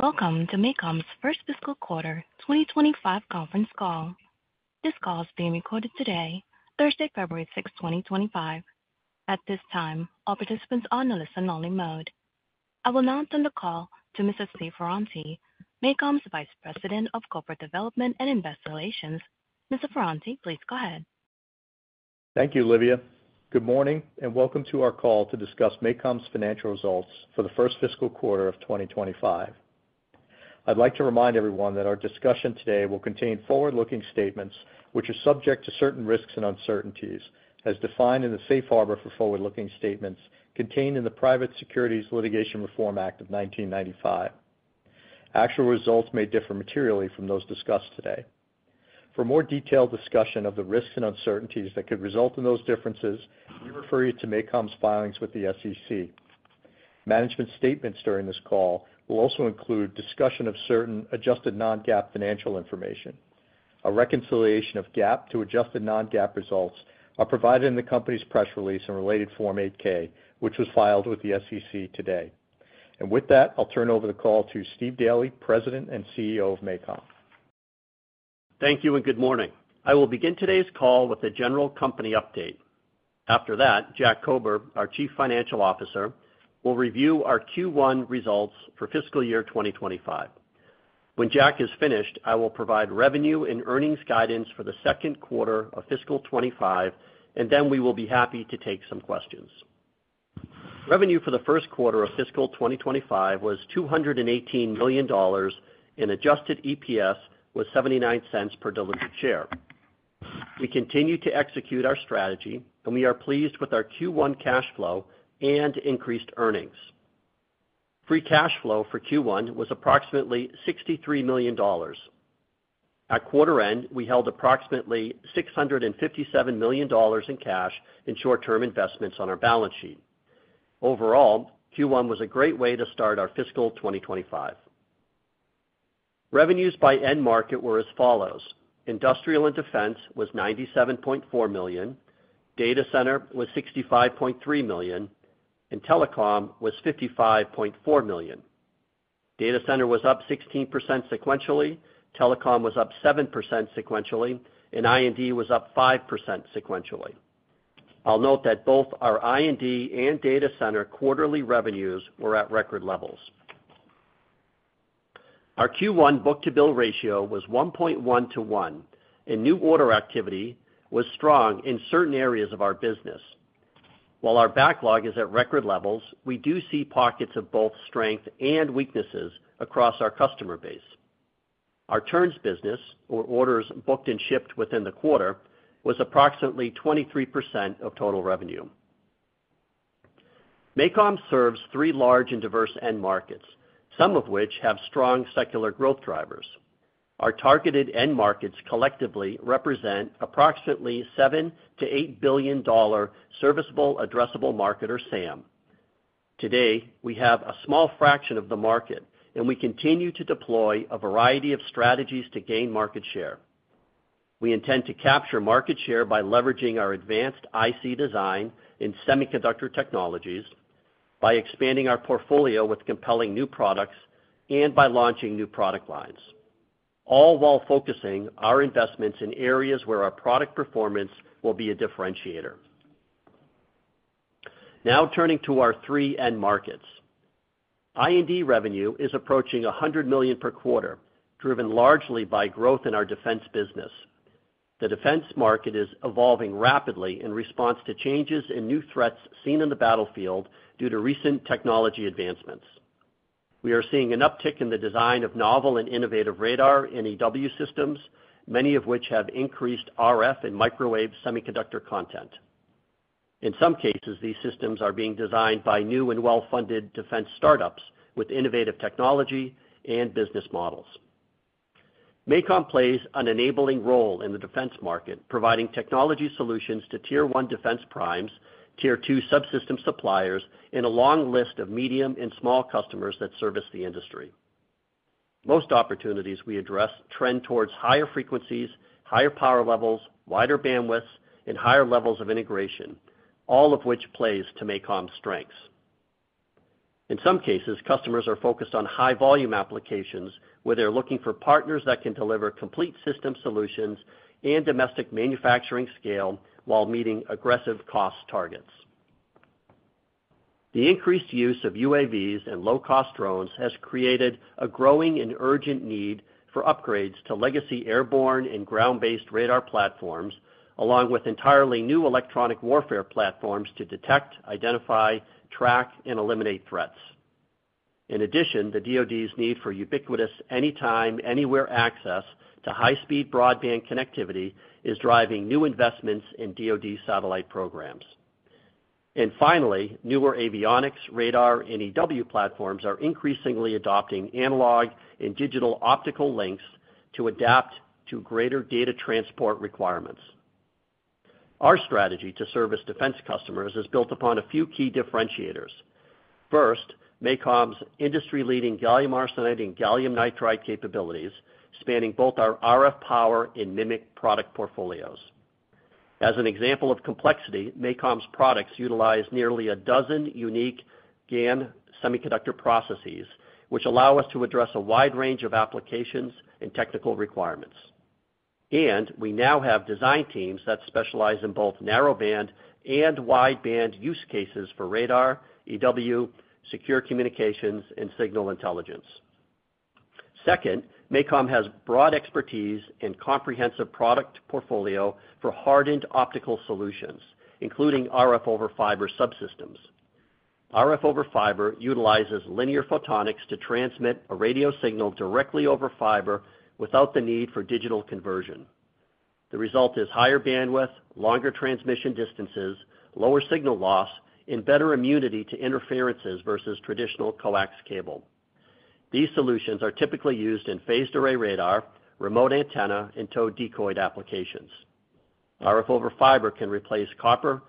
Welcome to MACOM's first fiscal quarter 2025 conference call. This call is being recorded today, Thursday, February 6, 2025. At this time, all participants are on the listen-only mode. I will now turn the call to Mr. Steve Ferranti, MACOM's Vice President of Corporate Development and Investor Relations. Mr. Ferranti, please go ahead. Thank you, Olivia. Good morning and welcome to our call to discuss MACOM's financial results for the first fiscal quarter of 2025. I'd like to remind everyone that our discussion today will contain forward-looking statements, which are subject to certain risks and uncertainties, as defined in the Safe Harbor for Forward-Looking Statements contained in the Private Securities Litigation Reform Act of 1995. Actual results may differ materially from those discussed today. For more detailed discussion of the risks and uncertainties that could result in those differences, we refer you to MACOM's filings with the SEC. Management statements during this call will also include discussion of certain adjusted non-GAAP financial information. A reconciliation of GAAP to adjusted non-GAAP results is provided in the company's press release and related Form 8-K, which was filed with the SEC today. With that, I'll turn over the call to Steve Daly, President and CEO of MACOM. Thank you and good morning. I will begin today's call with a general company update. After that, Jack Kober, our Chief Financial Officer, will review our Q1 results for fiscal year 2025. When Jack is finished, I will provide revenue and earnings guidance for the Q2 of fiscal 25, and then we will be happy to take some questions. Revenue for the Q1 of fiscal 2025 was $218 million, and adjusted EPS was $0.79 per delivered share. We continue to execute our strategy, and we are pleased with our Q1 cash flow and increased earnings. Free cash flow for Q1 was approximately $63 million. At quarter end, we held approximately $657 million in cash and short-term investments on our balance sheet. Overall, Q1 was a great way to start our fiscal 2025. Revenues by end market were as follows: Industrial and Defense was $97.4 million, Data Center was $65.3 million, and Telecom was $55.4 million. Data Center was up 16% sequentially, Telecom was up 7% sequentially, and I&D was up 5% sequentially. I'll note that both our I&D and Data Center quarterly revenues were at record levels. Our Q1 book-to-bill ratio was 1.1 to 1, and new order activity was strong in certain areas of our business. While our backlog is at record levels, we do see pockets of both strength and weaknesses across our customer base. Our turns business, or orders booked and shipped within the quarter, was approximately 23% of total revenue. MACOM serves three large and diverse end markets, some of which have strong secular growth drivers. Our targeted end markets collectively represent approximately $7-$8 billion serviceable addressable market, or SAM. Today, we have a small fraction of the market, and we continue to deploy a variety of strategies to gain market share. We intend to capture market share by leveraging our advanced IC design in semiconductor technologies, by expanding our portfolio with compelling new products, and by launching new product lines, all while focusing our investments in areas where our product performance will be a differentiator. Now turning to our three end markets, I&D revenue is approaching $100 million per quarter, driven largely by growth in our defense business. The defense market is evolving rapidly in response to changes and new threats seen in the battlefield due to recent technology advancements. We are seeing an uptick in the design of novel and innovative radar and EW systems, many of which have increased RF and microwave semiconductor content. In some cases, these systems are being designed by new and well-funded defense startups with innovative technology and business models. MACOM plays an enabling role in the defense market, providing technology solutions to Tier 1 defense primes, Tier 2 subsystem suppliers, and a long list of medium and small customers that service the industry. Most opportunities we address trend towards higher frequencies, higher power levels, wider bandwidths, and higher levels of integration, all of which plays to MACOM's strengths. In some cases, customers are focused on high-volume applications where they're looking for partners that can deliver complete system solutions and domestic manufacturing scale while meeting aggressive cost targets. The increased use of UAVs and low-cost drones has created a growing and urgent need for upgrades to legacy airborne and ground-based radar platforms, along with entirely new electronic warfare platforms to detect, identify, track, and eliminate threats. In addition, the DoD's need for ubiquitous anytime, anywhere access to high-speed broadband connectivity is driving new investments in DoD satellite programs, and finally, newer avionics, radar, and EW platforms are increasingly adopting analog and digital optical links to adapt to greater data transport requirements. Our strategy to service defense customers is built upon a few key differentiators. First, MACOM's industry-leading gallium arsenide and gallium nitride capabilities span both our RF power and MMIC product portfolios. As an example of complexity, MACOM's products utilize nearly a dozen unique GaN semiconductor processes, which allow us to address a wide range of applications and technical requirements, and we now have design teams that specialize in both narrowband and wideband use cases for radar, EW, secure communications, and signal intelligence. Second, MACOM has broad expertise and comprehensive product portfolio for hardened optical solutions, including RF over fiber subsystems. RF over fiber utilizes linear photonics to transmit a radio signal directly over fiber without the need for digital conversion. The result is higher bandwidth, longer transmission distances, lower signal loss, and better immunity to interferences versus traditional coax cable. These solutions are typically used in phased array radar, remote antenna, and towed decoy applications. RF over fiber can replace copper,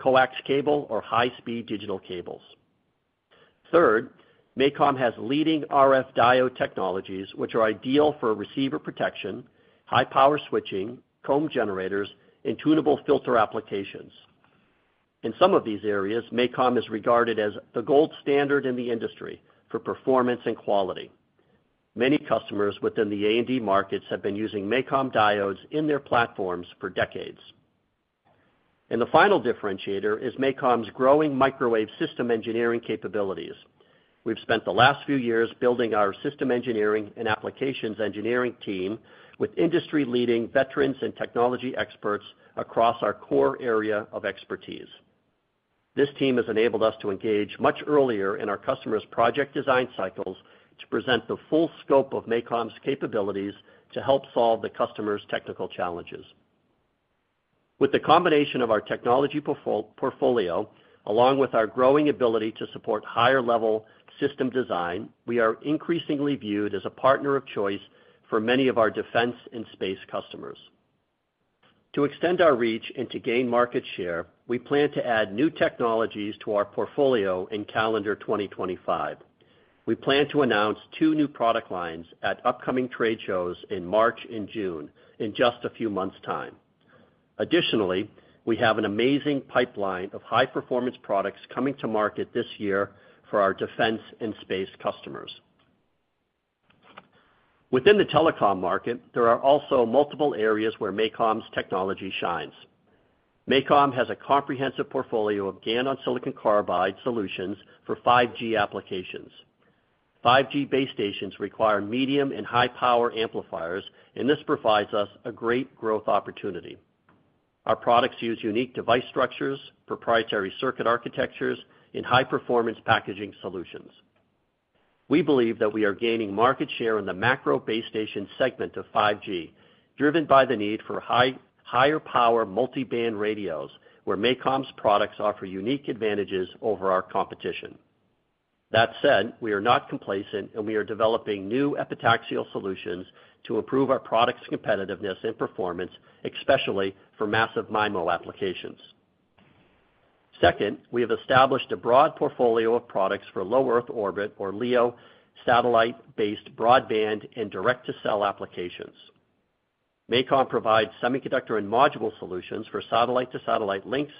coax cable, or high-speed digital cables. Third, MACOM has leading RF diode technologies, which are ideal for receiver protection, high-power switching, comb generators, and tunable filter applications. In some of these areas, MACOM is regarded as the gold standard in the industry for performance and quality. Many customers within the A&D markets have been using MACOM diodes in their platforms for decades, and the final differentiator is MACOM's growing microwave system engineering capabilities. We've spent the last few years building our system engineering and applications engineering team with industry-leading veterans and technology experts across our core area of expertise. This team has enabled us to engage much earlier in our customers' project design cycles to present the full scope of MACOM's capabilities to help solve the customer's technical challenges. With the combination of our technology portfolio, along with our growing ability to support higher-level system design, we are increasingly viewed as a partner of choice for many of our defense and space customers. To extend our reach and to gain market share, we plan to add new technologies to our portfolio in calendar 2025. We plan to announce two new product lines at upcoming trade shows in March and June in just a few months' time. Additionally, we have an amazing pipeline of high-performance products coming to market this year for our defense and space customers. Within the telecom market, there are also multiple areas where MACOM's technology shines. MACOM has a comprehensive portfolio of GaN on silicon carbide solutions for 5G applications. 5G base stations require medium and high-power amplifiers, and this provides us a great growth opportunity. Our products use unique device structures, proprietary circuit architectures, and high-performance packaging solutions. We believe that we are gaining market share in the macro base station segment of 5G, driven by the need for higher-power multi-band radios, where MACOM's products offer unique advantages over our competition. That said, we are not complacent, and we are developing new epitaxial solutions to improve our product's competitiveness and performance, especially for massive MIMO applications. Second, we have established a broad portfolio of products for low Earth orbit, or LEO, satellite-based broadband and direct-to-cell applications. MACOM provides semiconductor and module solutions for satellite-to-satellite links,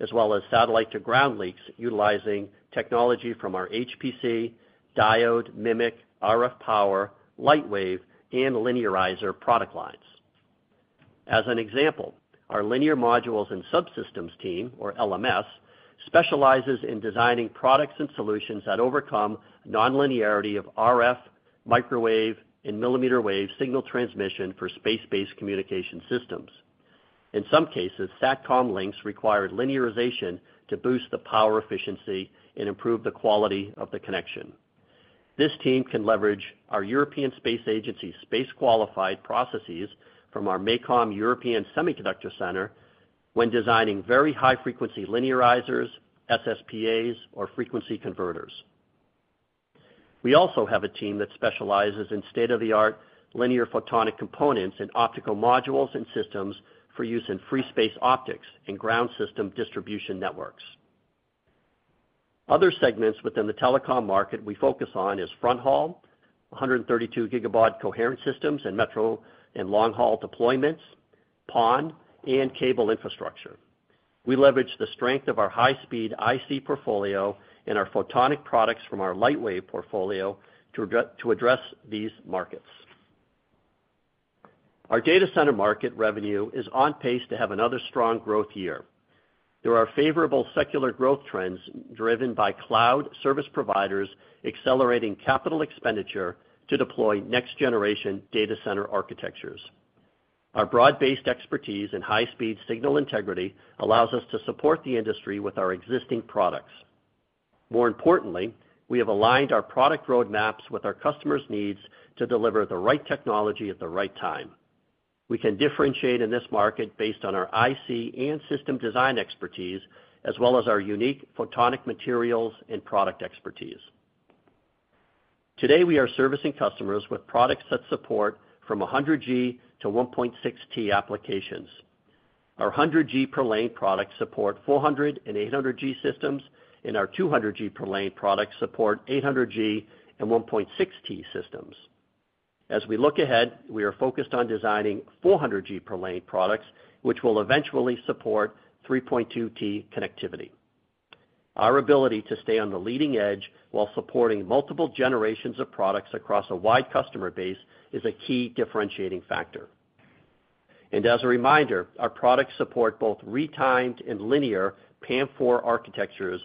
as well as satellite-to-ground links, utilizing technology from our HPC, diode, MMIC, RF power, Lightwave, and linearizer product lines. As an example, our Linear Modules and Subsystems team, or LMS, specializes in designing products and solutions that overcome non-linearity of RF, microwave, and millimeter wave signal transmission for space-based communication systems. In some cases, SATCOM links require linearization to boost the power efficiency and improve the quality of the connection. This team can leverage our European Space Agency's space-qualified processes from our MACOM European Semiconductor Center when designing very high-frequency linearizers, SSPAs, or frequency converters. We also have a team that specializes in state-of-the-art linear photonic components and optical modules and systems for use in free space optics and ground system distribution networks. Other segments within the telecom market we focus on are fronthaul, 132-gigabaud coherent systems and metro and long-haul deployments, PON, and cable infrastructure. We leverage the strength of our high-speed IC portfolio and our photonic products from our lightwave portfolio to address these markets. Our data center market revenue is on pace to have another strong growth year. There are favorable secular growth trends driven by cloud service providers accelerating capital expenditure to deploy next-generation data center architectures. Our broad-based expertise and high-speed signal integrity allows us to support the industry with our existing products. More importantly, we have aligned our product roadmaps with our customers' needs to deliver the right technology at the right time. We can differentiate in this market based on our IC and system design expertise, as well as our unique photonic materials and product expertise. Today, we are servicing customers with products that support from 100G to 1.6T applications. Our 100G per lane products support 400 and 800G systems, and our 200G per lane products support 800G and 1.6T systems. As we look ahead, we are focused on designing 400G per lane products, which will eventually support 3.2T connectivity. Our ability to stay on the leading edge while supporting multiple generations of products across a wide customer base is a key differentiating factor. And as a reminder, our products support both retimed and linear PAM4 architectures,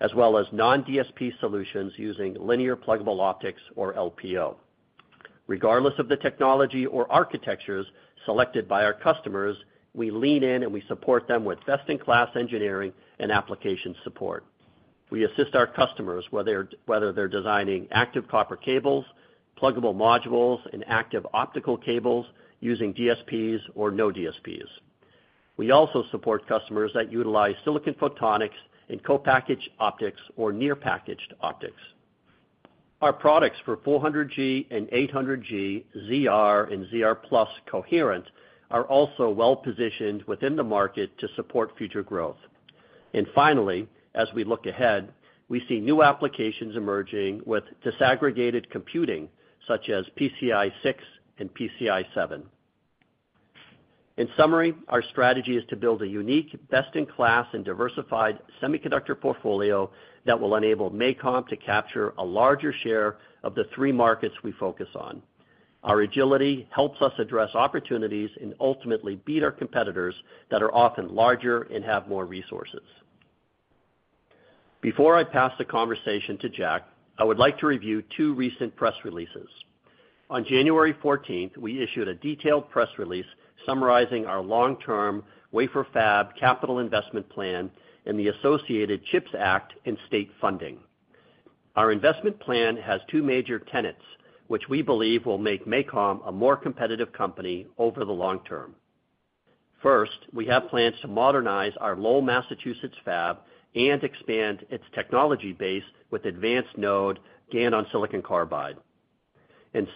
as well as non-DSP solutions using linear pluggable optics, or LPO. Regardless of the technology or architectures selected by our customers, we lean in and we support them with best-in-class engineering and application support. We assist our customers whether they're designing active copper cables, pluggable modules, and active optical cables using DSPs or no DSPs. We also support customers that utilize silicon photonics and co-packaged optics or near-packaged optics. Our products for 400G and 800G, ZR, and ZR Plus coherent are also well-positioned within the market to support future growth. And finally, as we look ahead, we see new applications emerging with disaggregated computing, such as PCIe 6 and PCIe 7. In summary, our strategy is to build a unique, best-in-class, and diversified semiconductor portfolio that will enable MACOM to capture a larger share of the three markets we focus on. Our agility helps us address opportunities and ultimately beat our competitors that are often larger and have more resources. Before I pass the conversation to Jack, I would like to review two recent press releases. On January 14th, we issued a detailed press release summarizing our long-term wafer fab capital investment plan and the associated CHIPS Act and state funding. Our investment plan has two major tenets, which we believe will make MACOM a more competitive company over the long term. First, we have plans to modernize our Lowell, Massachusetts fab and expand its technology base with advanced node GaN on silicon carbide.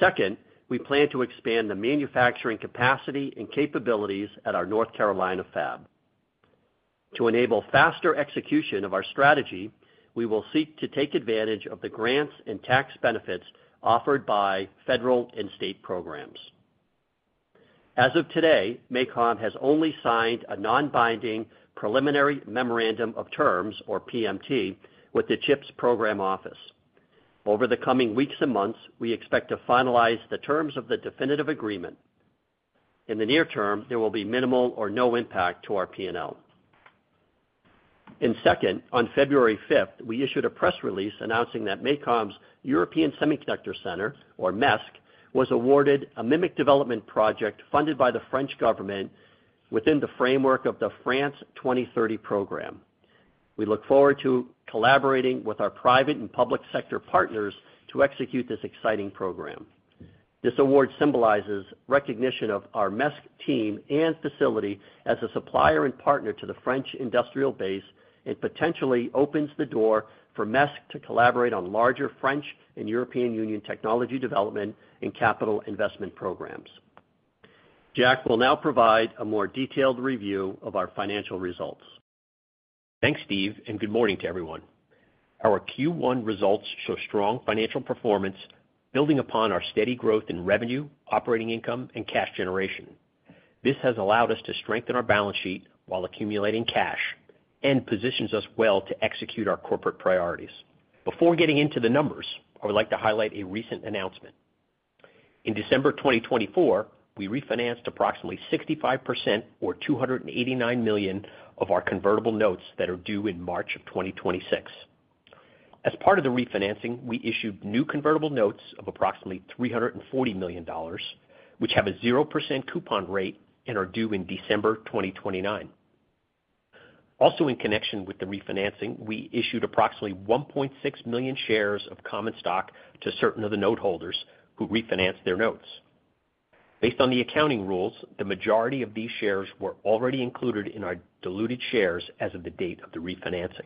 Second, we plan to expand the manufacturing capacity and capabilities at our North Carolina fab. To enable faster execution of our strategy, we will seek to take advantage of the grants and tax benefits offered by federal and state programs. As of today, MACOM has only signed a non-binding Preliminary Memorandum of Terms, or PMT, with the CHIPS Program Office. Over the coming weeks and months, we expect to finalize the terms of the definitive agreement. In the near term, there will be minimal or no impact to our P&L, and second, on February 5th, we issued a press release announcing that MACOM's European Semiconductor Center, or MESC, was awarded a MMIC development project funded by the French government within the framework of the France 2030 program. We look forward to collaborating with our private and public sector partners to execute this exciting program. This award symbolizes recognition of our MESC team and facility as a supplier and partner to the French industrial base and potentially opens the door for MESC to collaborate on larger French and European Union technology development and capital investment programs. Jack will now provide a more detailed review of our financial results. Thanks, Steve, and good morning to everyone. Our Q1 results show strong financial performance, building upon our steady growth in revenue, operating income, and cash generation. This has allowed us to strengthen our balance sheet while accumulating cash and positions us well to execute our corporate priorities. Before getting into the numbers, I would like to highlight a recent announcement. In December 2024, we refinanced approximately 65%, or $289 million, of our convertible notes that are due in March of 2026. As part of the refinancing, we issued new convertible notes of approximately $340 million, which have a 0% coupon rate and are due in December 2029. Also, in connection with the refinancing, we issued approximately 1.6 million shares of common stock to certain of the noteholders who refinanced their notes. Based on the accounting rules, the majority of these shares were already included in our diluted shares as of the date of the refinancing.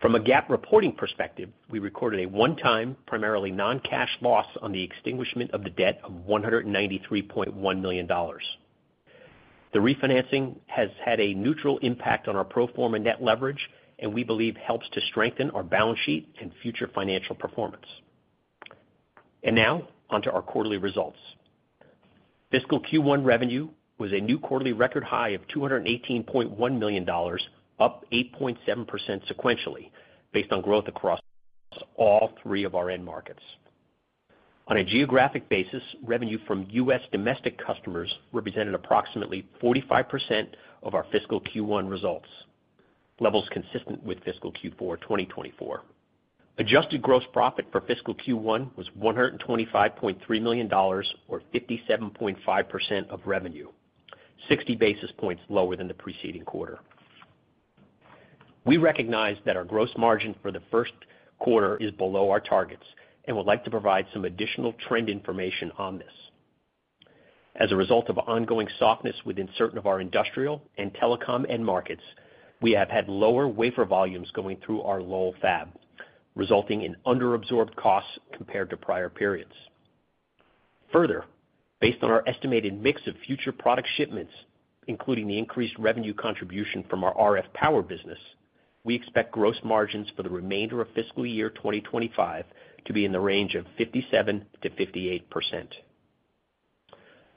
From a GAAP reporting perspective, we recorded a one-time, primarily non-cash loss on the extinguishment of the debt of $193.1 million. The refinancing has had a neutral impact on our pro forma net leverage, and we believe helps to strengthen our balance sheet and future financial performance. And now, onto our quarterly results. Fiscal Q1 revenue was a new quarterly record high of $218.1 million, up 8.7% sequentially, based on growth across all three of our end markets. On a geographic basis, revenue from U.S. domestic customers represented approximately 45% of our fiscal Q1 results, levels consistent with fiscal Q4 2024. Adjusted gross profit for fiscal Q1 was $125.3 million, or 57.5% of revenue, 60 basis points lower than the preceding quarter. We recognize that our gross margin for the Q1 is below our targets and would like to provide some additional trend information on this. As a result of ongoing softness within certain of our industrial and telecom end markets, we have had lower wafer volumes going through our Lowell fab, resulting in under-absorbed costs compared to prior periods. Further, based on our estimated mix of future product shipments, including the increased revenue contribution from our RF power business, we expect gross margins for the remainder of fiscal year 2025 to be in the range of 57%-58%.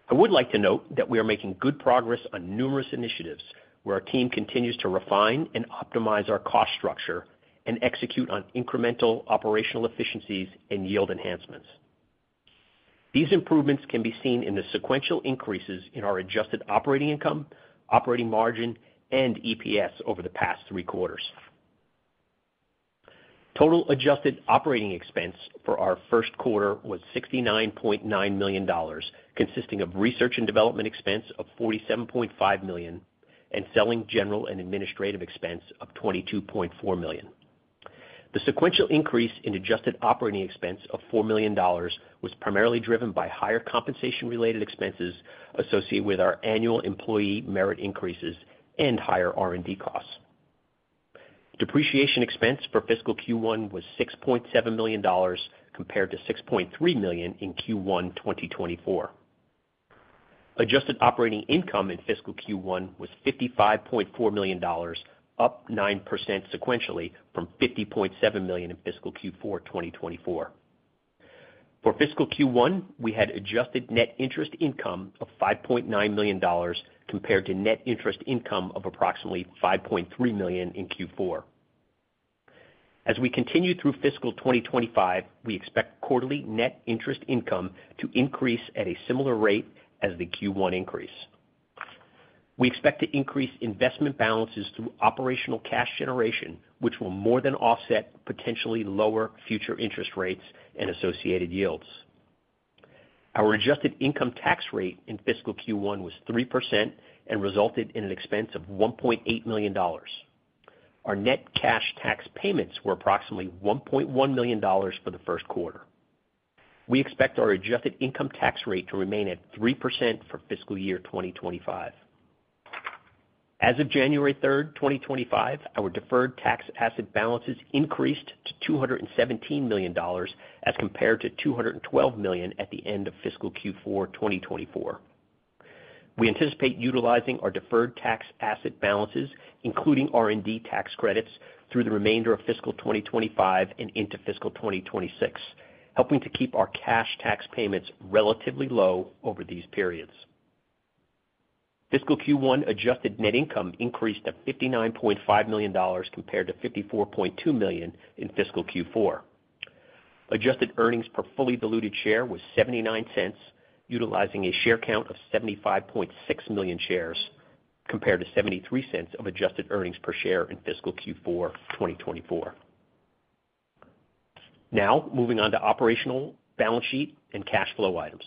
I would like to note that we are making good progress on numerous initiatives where our team continues to refine and optimize our cost structure and execute on incremental operational efficiencies and yield enhancements. These improvements can be seen in the sequential increases in our adjusted operating income, operating margin, and EPS over the past three quarters. Total adjusted operating expense for our Q1 was $69.9 million, consisting of research and development expense of $47.5 million and selling general and administrative expense of $22.4 million. The sequential increase in adjusted operating expense of $4 million was primarily driven by higher compensation-related expenses associated with our annual employee merit increases and higher R&D costs. Depreciation expense for fiscal Q1 was $6.7 million compared to $6.3 million in Q1 2024. Adjusted operating income in fiscal Q1 was $55.4 million, up 9% sequentially from $50.7 million in fiscal Q4 2024. For fiscal Q1, we had adjusted net interest income of $5.9 million compared to net interest income of approximately $5.3 million in Q4. As we continue through fiscal 2025, we expect quarterly net interest income to increase at a similar rate as the Q1 increase. We expect to increase investment balances through operational cash generation, which will more than offset potentially lower future interest rates and associated yields. Our adjusted income tax rate in fiscal Q1 was 3% and resulted in an expense of $1.8 million. Our net cash tax payments were approximately $1.1 million for the Q1. We expect our adjusted income tax rate to remain at 3% for fiscal year 2025. As of January 3rd, 2025, our deferred tax asset balances increased to $217 million as compared to $212 million at the end of fiscal Q4 2024. We anticipate utilizing our deferred tax asset balances, including R&D tax credits, through the remainder of fiscal 2025 and into fiscal 2026, helping to keep our cash tax payments relatively low over these periods. Fiscal Q1 adjusted net income increased to $59.5 million compared to $54.2 million in fiscal Q4. Adjusted earnings per fully diluted share was $0.79, utilizing a share count of 75.6 million shares compared to $0.73 of adjusted earnings per share in fiscal Q4 2024. Now, moving on to operational balance sheet and cash flow items.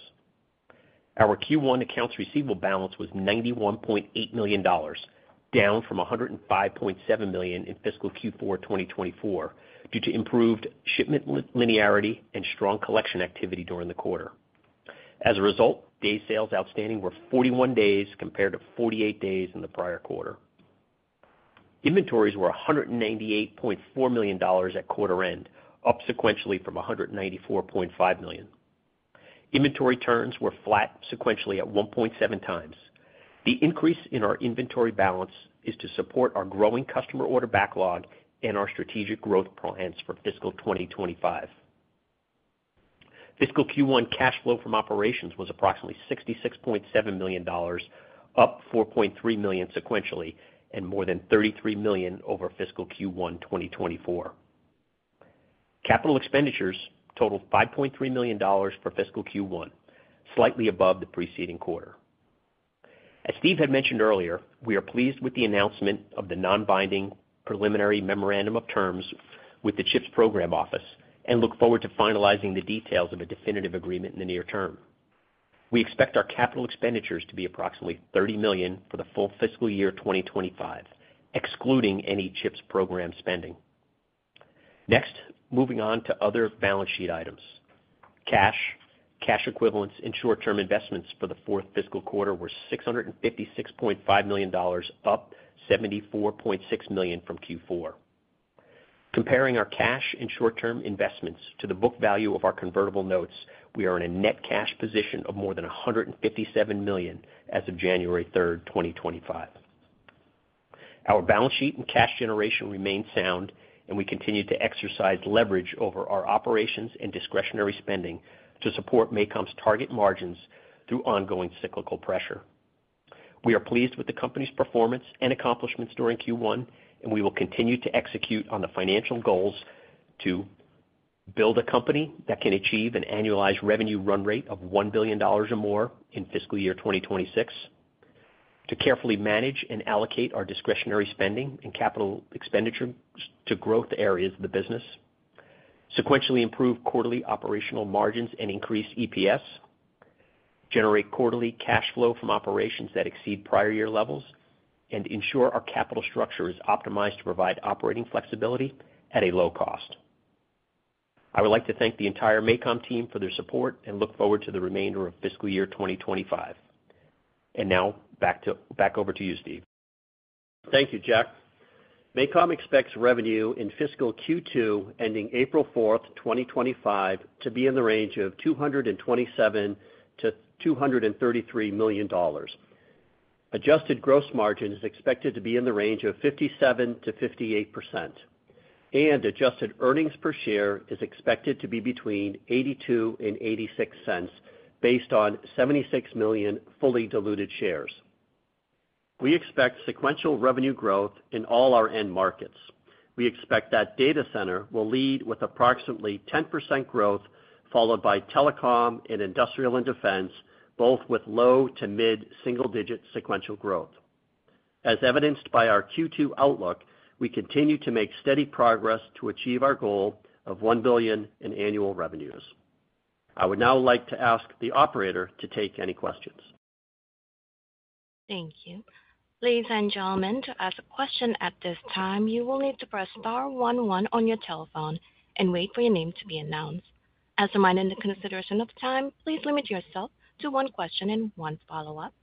Our Q1 accounts receivable balance was $91.8 million, down from $105.7 million in fiscal Q4 2024 due to improved shipment linearity and strong collection activity during the quarter. As a result, days sales outstanding were 41 days compared to 48 days in the prior quarter. Inventories were $198.4 million at quarter end, up sequentially from $194.5 million. Inventory turns were flat sequentially at 1.7 times. The increase in our inventory balance is to support our growing customer order backlog and our strategic growth plans for fiscal 2025. Fiscal Q1 cash flow from operations was approximately $66.7 million, up $4.3 million sequentially and more than $33 million over fiscal Q1 2024. Capital expenditures totaled $5.3 million for fiscal Q1, slightly above the preceding quarter. As Steve had mentioned earlier, we are pleased with the announcement of the non-binding Preliminary Memorandum of Terms with the CHIPS Program Office and look forward to finalizing the details of a definitive agreement in the near term. We expect our capital expenditures to be approximately $30 million for the full fiscal year 2025, excluding any CHIPS program spending. Next, moving on to other balance sheet items. Cash, cash equivalents, and short-term investments for the fourth fiscal quarter were $656.5 million, up $74.6 million from Q4. Comparing our cash and short-term investments to the book value of our convertible notes, we are in a net cash position of more than $157 million as of January 3rd, 2025. Our balance sheet and cash generation remain sound, and we continue to exercise leverage over our operations and discretionary spending to support MACOM's target margins through ongoing cyclical pressure. We are pleased with the company's performance and accomplishments during Q1, and we will continue to execute on the financial goals to build a company that can achieve an annualized revenue run rate of $1 billion or more in fiscal year 2026, to carefully manage and allocate our discretionary spending and capital expenditures to growth areas of the business, sequentially improve quarterly operational margins and increase EPS, generate quarterly cash flow from operations that exceed prior year levels, and ensure our capital structure is optimized to provide operating flexibility at a low cost. I would like to thank the entire MACOM team for their support and look forward to the remainder of fiscal year 2025. Now, back over to you, Steve. Thank you, Jack. MACOM expects revenue in fiscal Q2 ending April 4th, 2025, to be in the range of $227-$233 million. Adjusted gross margin is expected to be in the range of 57%-58%, and adjusted earnings per share is expected to be between $0.82 and $0.86 based on 76 million fully diluted shares. We expect sequential revenue growth in all our end markets. We expect that data center will lead with approximately 10% growth, followed by telecom and industrial and defense, both with low to mid single-digit sequential growth. As evidenced by our Q2 outlook, we continue to make steady progress to achieve our goal of $1 billion in annual revenues. I would now like to ask the operator to take any questions. Thank you. Ladies and gentlemen, to ask a question at this time, you will need to press star 11 on your telephone and wait for your name to be announced. As a reminder, in the consideration of time, please limit yourself to one question and one follow-up.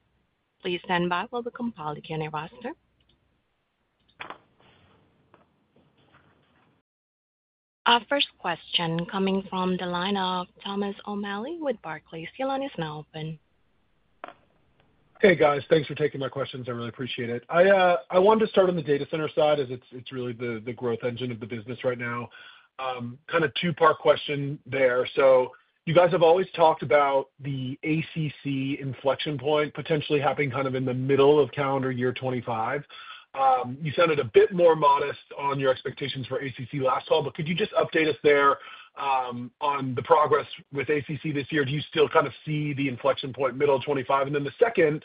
Please stand by while we compile the Q&A roster. Our first question coming from the line of Thomas O'Malley with Barclays. line you're now open. Hey, guys. Thanks for taking my questions. I really appreciate it. I wanted to start on the data center side as it's really the growth engine of the business right now. Kind of two-part question there. So you guys have always talked about the ACC inflection point potentially happening kind of in the middle of calendar year 2025. You sounded a bit more modest on your expectations for ACC last call, but could you just update us there on the progress with ACC this year? Do you still kind of see the inflection point middle of 2025? And then the second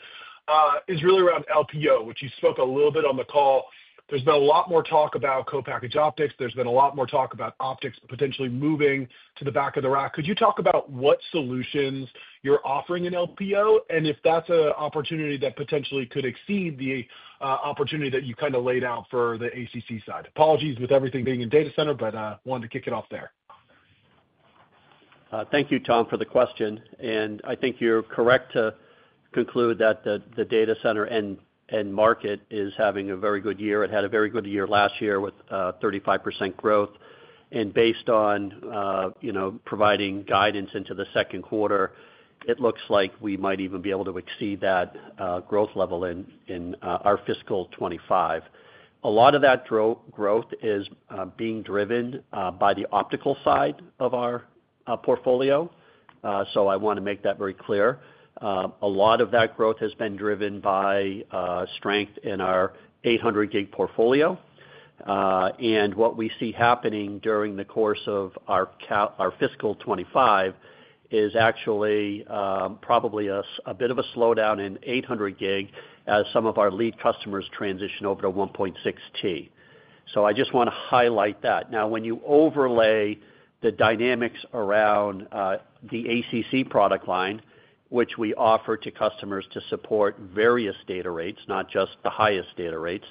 is really around LPO, which you spoke a little bit on the call. There's been a lot more talk about co-packaged optics. There's been a lot more talk about optics potentially moving to the back of the rack. Could you talk about what solutions you're offering in LPO and if that's an opportunity that potentially could exceed the opportunity that you kind of laid out for the ACC side? Apologies with everything being in data center, but I wanted to kick it off there. Thank you, Tom, for the question. I think you're correct to conclude that the data center end market is having a very good year. It had a very good year last year with 35% growth. And based on providing guidance into the Q2, it looks like we might even be able to exceed that growth level in our fiscal 2025. A lot of that growth is being driven by the optical side of our portfolio, so I want to make that very clear. A lot of that growth has been driven by strength in our 800-gig portfolio. And what we see happening during the course of our fiscal 2025 is actually probably a bit of a slowdown in 800-gig as some of our lead customers transition over to 1.6T. So I just want to highlight that. Now, when you overlay the dynamics around the ACC product line, which we offer to customers to support various data rates, not just the highest data rates,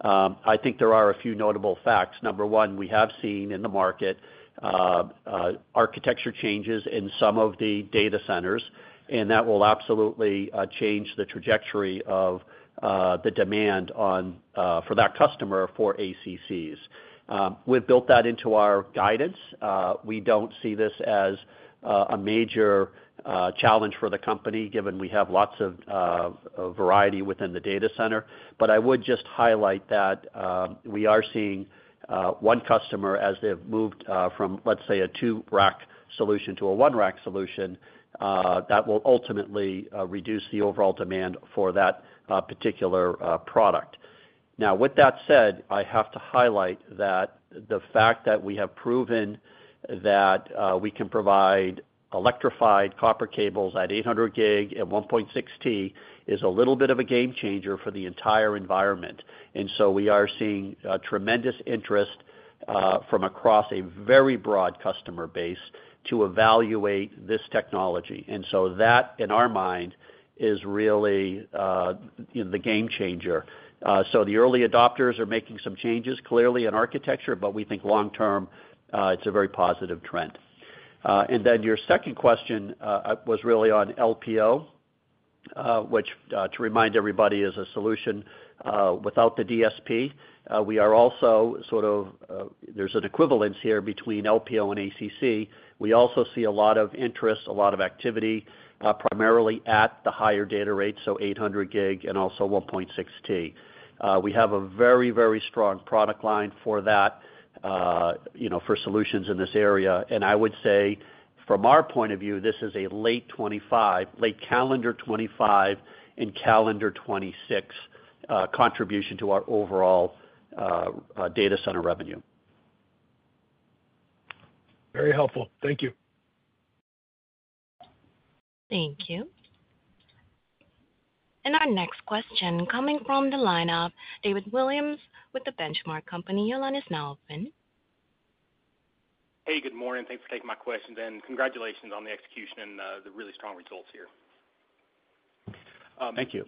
I think there are a few notable facts. Number one, we have seen in the market architecture changes in some of the data centers, and that will absolutely change the trajectory of the demand for that customer for ACCs. We've built that into our guidance. We don't see this as a major challenge for the company given we have lots of variety within the data center. But I would just highlight that we are seeing one customer as they've moved from, let's say, a two-rack solution to a one-rack solution that will ultimately reduce the overall demand for that particular product. Now, with that said, I have to highlight that the fact that we have proven that we can provide active copper cables at 800-gig at 1.6T is a little bit of a game changer for the entire environment, and so we are seeing tremendous interest from across a very broad customer base to evaluate this technology, and so that, in our mind, is really the game changer, so the early adopters are making some changes clearly in architecture, but we think long-term it's a very positive trend, and then your second question was really on LPO, which, to remind everybody, is a solution without the DSP. We are also sort of, there's an equivalence here between LPO and ACC. We also see a lot of interest, a lot of activity, primarily at the higher data rates, so 800-gig and also 1.6T. We have a very, very strong product line for that, for solutions in this area. And I would say, from our point of view, this is a late 2025, late calendar 2025, and calendar 2026 contribution to our overall data center revenue. Very helpful. Thank you. Thank you. And our next question coming from the line of David Williams with The Benchmark Company. Your line is now open. Hey, good morning. Thanks for taking my question. And congratulations on the execution and the really strong results here. Thank you.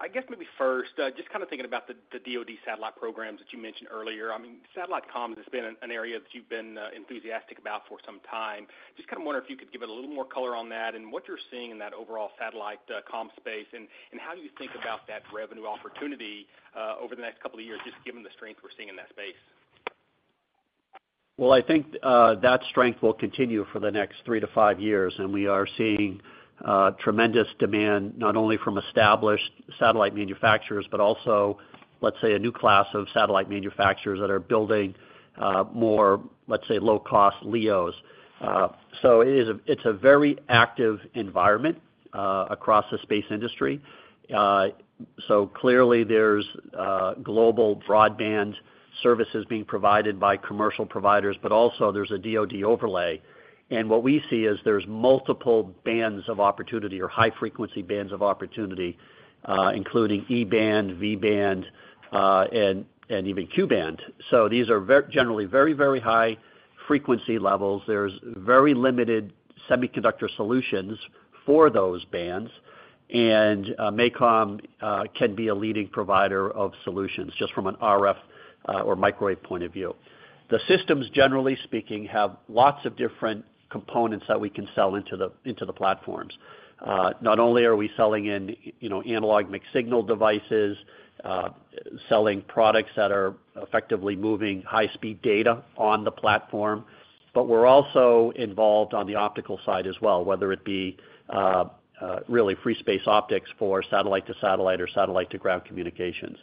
I guess maybe first, just kind of thinking about the DoD satellite programs that you mentioned earlier. I mean, satellite comms has been an area that you've been enthusiastic about for some time. Just kind of wondering if you could give it a little more color on that and what you're seeing in that overall satellite comms space and how you think about that revenue opportunity over the next couple of years, just given the strength we're seeing in that space? Well, I think that strength will continue for the next three to five years. And we are seeing tremendous demand not only from established satellite manufacturers, but also, let's say, a new class of satellite manufacturers that are building more, let's say, low-cost LEOs. So it's a very active environment across the space industry. So clearly, there's global broadband services being provided by commercial providers, but also there's a DoD overlay. And what we see is there's multiple bands of opportunity or high-frequency bands of opportunity, including E-band, V-band, and even Q-band. So these are generally very, very high-frequency levels. There's very limited semiconductor solutions for those bands, and MACOM can be a leading provider of solutions just from an RF or microwave point of view. The systems, generally speaking, have lots of different components that we can sell into the platforms. Not only are we selling in analog mixed signal devices, selling products that are effectively moving high-speed data on the platform, but we're also involved on the optical side as well, whether it be really free space optics for satellite-to-satellite or satellite-to-ground communications.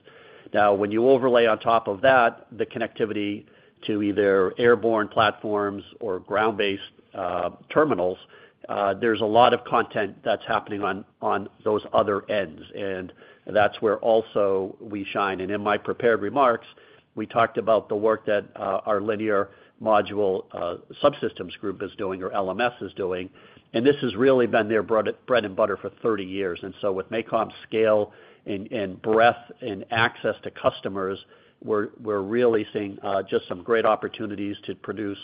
Now, when you overlay on top of that the connectivity to either airborne platforms or ground-based terminals, there's a lot of content that's happening on those other ends, and that's where also we shine, and in my prepared remarks, we talked about the work that our linear module subsystems group is doing or LMS is doing. And this has really been their bread and butter for 30 years. And so with MACOM's scale and breadth and access to customers, we're really seeing just some great opportunities to produce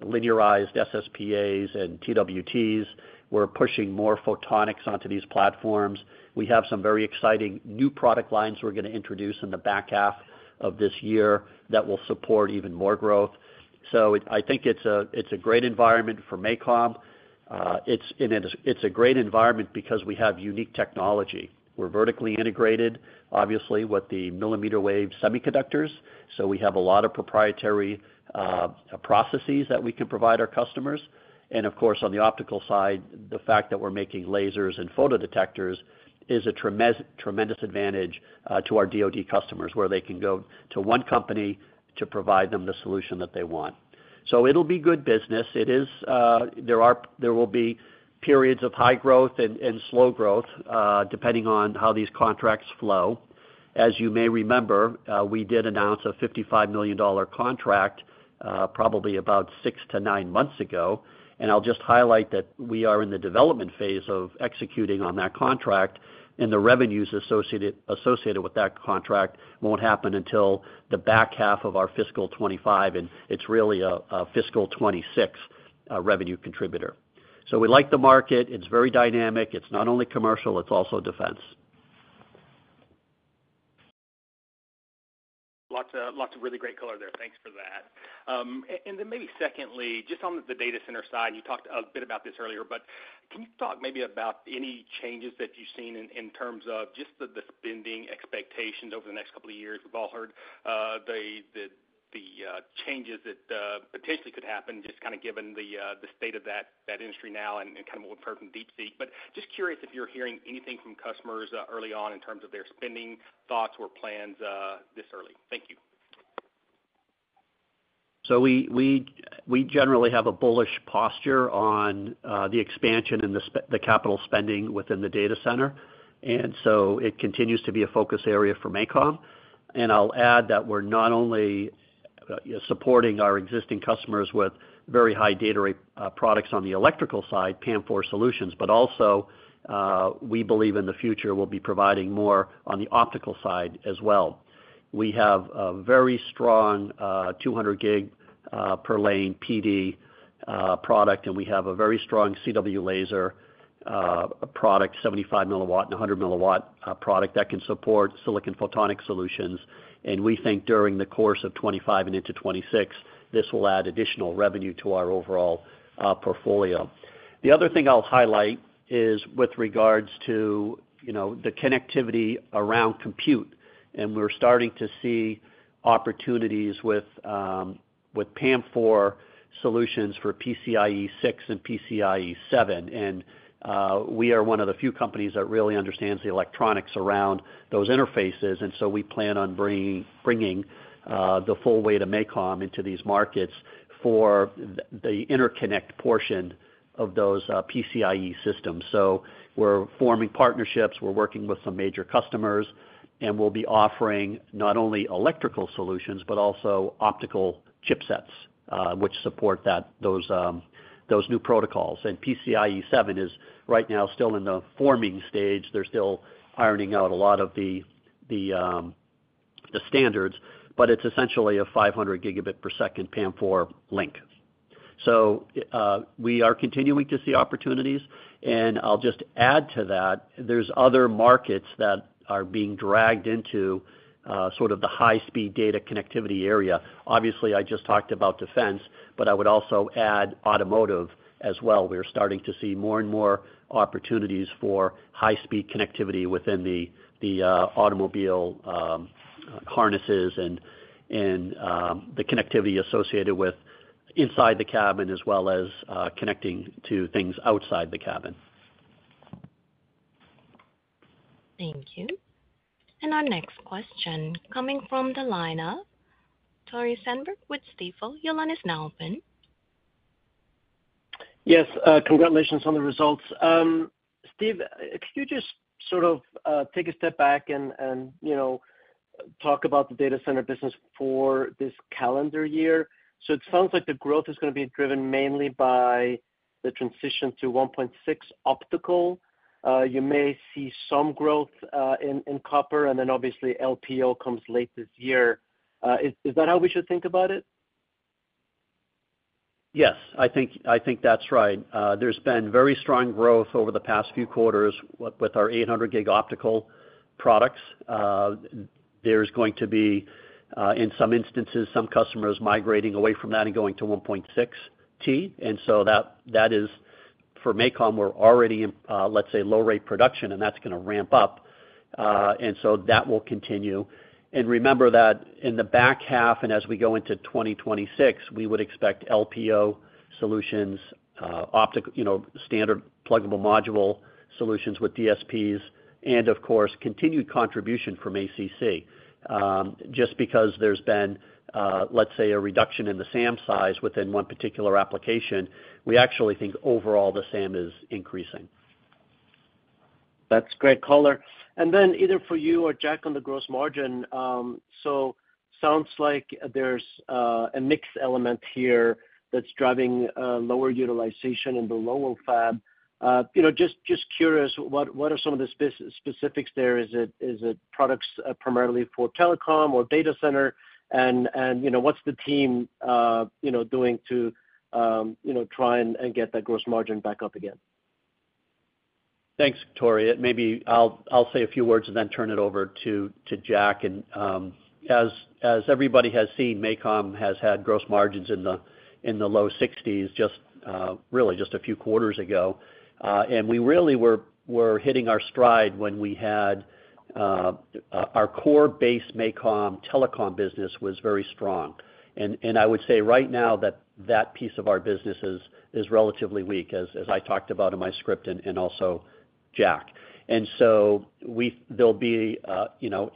linearized SSPAs and TWTs. We're pushing more photonics onto these platforms. We have some very exciting new product lines we're going to introduce in the back half of this year that will support even more growth. So I think it's a great environment for MACOM. It's a great environment because we have unique technology. We're vertically integrated, obviously, with the millimeter wave semiconductors. So we have a lot of proprietary processes that we can provide our customers. And of course, on the optical side, the fact that we're making lasers and photodetectors is a tremendous advantage to our DoD customers where they can go to one company to provide them the solution that they want. So it'll be good business. There will be periods of high growth and slow growth depending on how these contracts flow. As you may remember, we did announce a $55 million contract probably about six to nine months ago. And I'll just highlight that we are in the development phase of executing on that contract. And the revenues associated with that contract won't happen until the back half of our fiscal 2025. And it's really a fiscal 2026 revenue contributor. So we like the market. It's very dynamic. It's not only commercial. It's also defense. Lots of really great color there. Thanks for that. And then maybe secondly, just on the data center side, you talked a bit about this earlier, but can you talk maybe about any changes that you've seen in terms of just the spending expectations over the next couple of years? We've all heard the changes that potentially could happen just kind of given the state of that industry now and kind of what we've heard from DeepSeek. But just curious if you're hearing anything from customers early on in terms of their spending thoughts or plans this early. Thank you. So we generally have a bullish posture on the expansion and the capital spending within the data center. And so it continues to be a focus area for MACOM. And I'll add that we're not only supporting our existing customers with very high data rate products on the electrical side, PAM4 solutions, but also we believe in the future we'll be providing more on the optical side as well. We have a very strong 200-gig per lane PD product, and we have a very strong CW laser product, 75 milliwatt and 100 milliwatt product that can support silicon photonics solutions. And we think during the course of 2025 and into 2026, this will add additional revenue to our overall portfolio. The other thing I'll highlight is with regards to the connectivity around compute. And we're starting to see opportunities with PAM4 solutions for PCIe 6 and PCIe 7. And we are one of the few companies that really understands the electronics around those interfaces. And so we plan on bringing the full weight of MACOM into these markets for the interconnect portion of those PCIe systems. So we're forming partnerships. We're working with some major customers. And we'll be offering not only electrical solutions, but also optical chipsets, which support those new protocols. And PCIe 7 is right now still in the forming stage. They're still ironing out a lot of the standards, but it's essentially a 500-gigabit per second PAM4 link. So we are continuing to see opportunities. And I'll just add to that, there's other markets that are being dragged into sort of the high-speed data connectivity area. Obviously, I just talked about defense, but I would also add automotive as well. We're starting to see more and more opportunities for high-speed connectivity within the automobile harnesses and the connectivity associated with inside the cabin as well as connecting to things outside the cabin. Thank you. And our next question coming from the line of Tore Svanberg with Stifel. Your line is now open. Yes. Congratulations on the results. Steve, if you could just sort of take a step back and talk about the data center business for this calendar year. So it sounds like the growth is going to be driven mainly by the transition to 1.6 optical. You may see some growth in copper. And then obviously, LPO comes late this year. Is that how we should think about it? Yes. I think that's right. There's been very strong growth over the past few quarters with our 800 gig optical products. There's going to be, in some instances, some customers migrating away from that and going to 1.6T. And so that is, for MACOM, we're already, let's say, low-rate production, and that's going to ramp up. And so that will continue. And remember that in the back half and as we go into 2026, we would expect LPO solutions, standard pluggable module solutions with DSPs, and of course, continued contribution from ACC. Just because there's been, let's say, a reduction in the SAM size within one particular application, we actually think overall the SAM is increasing. That's great color. And then either for you or Jack on the gross margin, so sounds like there's a mixed element here that's driving lower utilization in the Lowell fab. Just curious, what are some of the specifics there? Is it products primarily for telecom or data center? And what's the team doing to try and get that gross margin back up again? Thanks, Tore. Maybe I'll say a few words and then turn it over to Jack. And as everybody has seen, MACOM has had gross margins in the low 60s% just really just a few quarters ago. And we really were hitting our stride when we had our core base MACOM telecom business was very strong. And I would say right now that that piece of our business is relatively weak, as I talked about in my script and also Jack. And so there'll be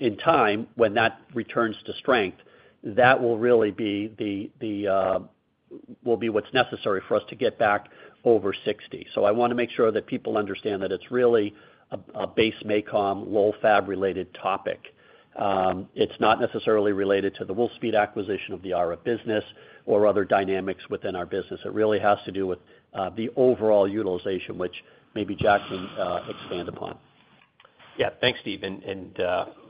in time when that returns to strength, that will really be what's necessary for us to get back over 60. So I want to make sure that people understand that it's really a base MACOM Lowell fab-related topic. It's not necessarily related to the Wolfspeed acquisition of the RF business or other dynamics within our business. It really has to do with the overall utilization, which maybe Jack can expand upon. Yeah. Thanks, Steve. And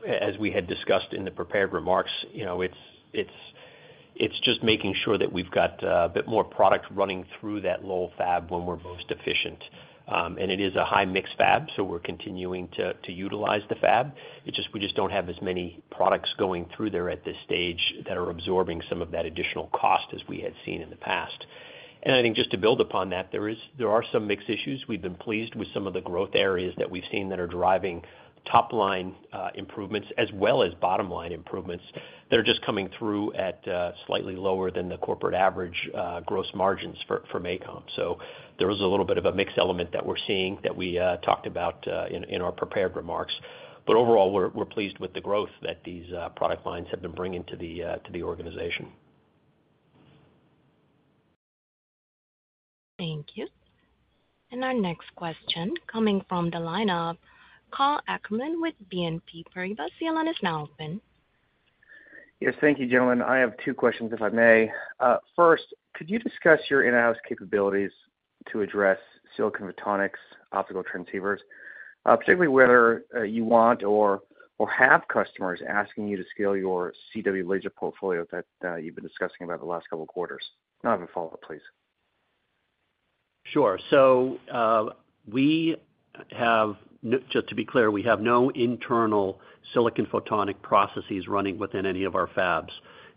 as we had discussed in the prepared remarks, it's just making sure that we've got a bit more product running through that Lowell fab when we're most efficient. And it is a high-mix fab, so we're continuing to utilize the fab. We just don't have as many products going through there at this stage that are absorbing some of that additional cost as we had seen in the past. And I think just to build upon that, there are some mixed issues. We've been pleased with some of the growth areas that we've seen that are driving top-line improvements as well as bottom-line improvements that are just coming through at slightly lower than the corporate average gross margins for MACOM. So there was a little bit of a mixed element that we're seeing that we talked about in our prepared remarks. But overall, we're pleased with the growth that these product lines have been bringing to the organization. Thank you. And our next question coming from the line of Karl Ackerman with BNP Paribas. Karl, you're now open. Yes. Thank you, gentlemen. I have two questions if I may. First, could you discuss your in-house capabilities to address silicon photonics optical transceivers, particularly whether you want or have customers asking you to scale your CW laser portfolio that you've been discussing about the last couple of quarters? Now, I have a follow-up, please. Sure. So just to be clear, we have no internal silicon photonic processes running within any of our fabs.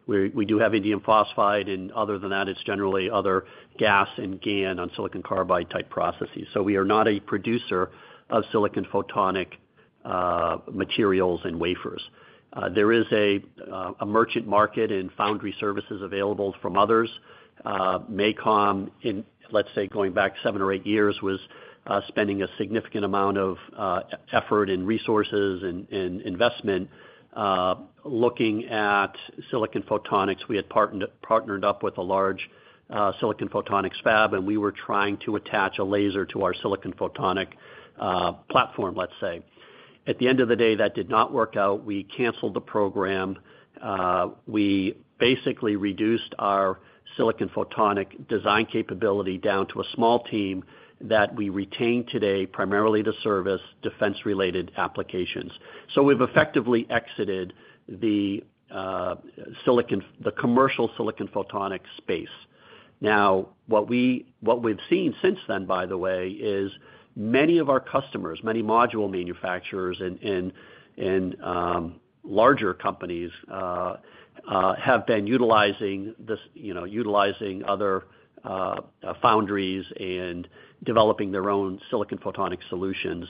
We do have indium phosphide, and other than that, it's generally other GaAs and GaN on silicon carbide type processes. So we are not a producer of silicon photonic materials and wafers. There is a merchant market and foundry services available from others. MACOM, let's say going back seven or eight years, was spending a significant amount of effort and resources and investment looking at silicon photonics. We had partnered up with a large silicon photonics fab, and we were trying to attach a laser to our silicon photonic platform, let's say. At the end of the day, that did not work out. We canceled the program. We basically reduced our silicon photonic design capability down to a small team that we retain today, primarily to service defense-related applications. So we've effectively exited the commercial silicon photonics space. Now, what we've seen since then, by the way, is many of our customers, many module manufacturers and larger companies have been utilizing other foundries and developing their own silicon photonic solutions.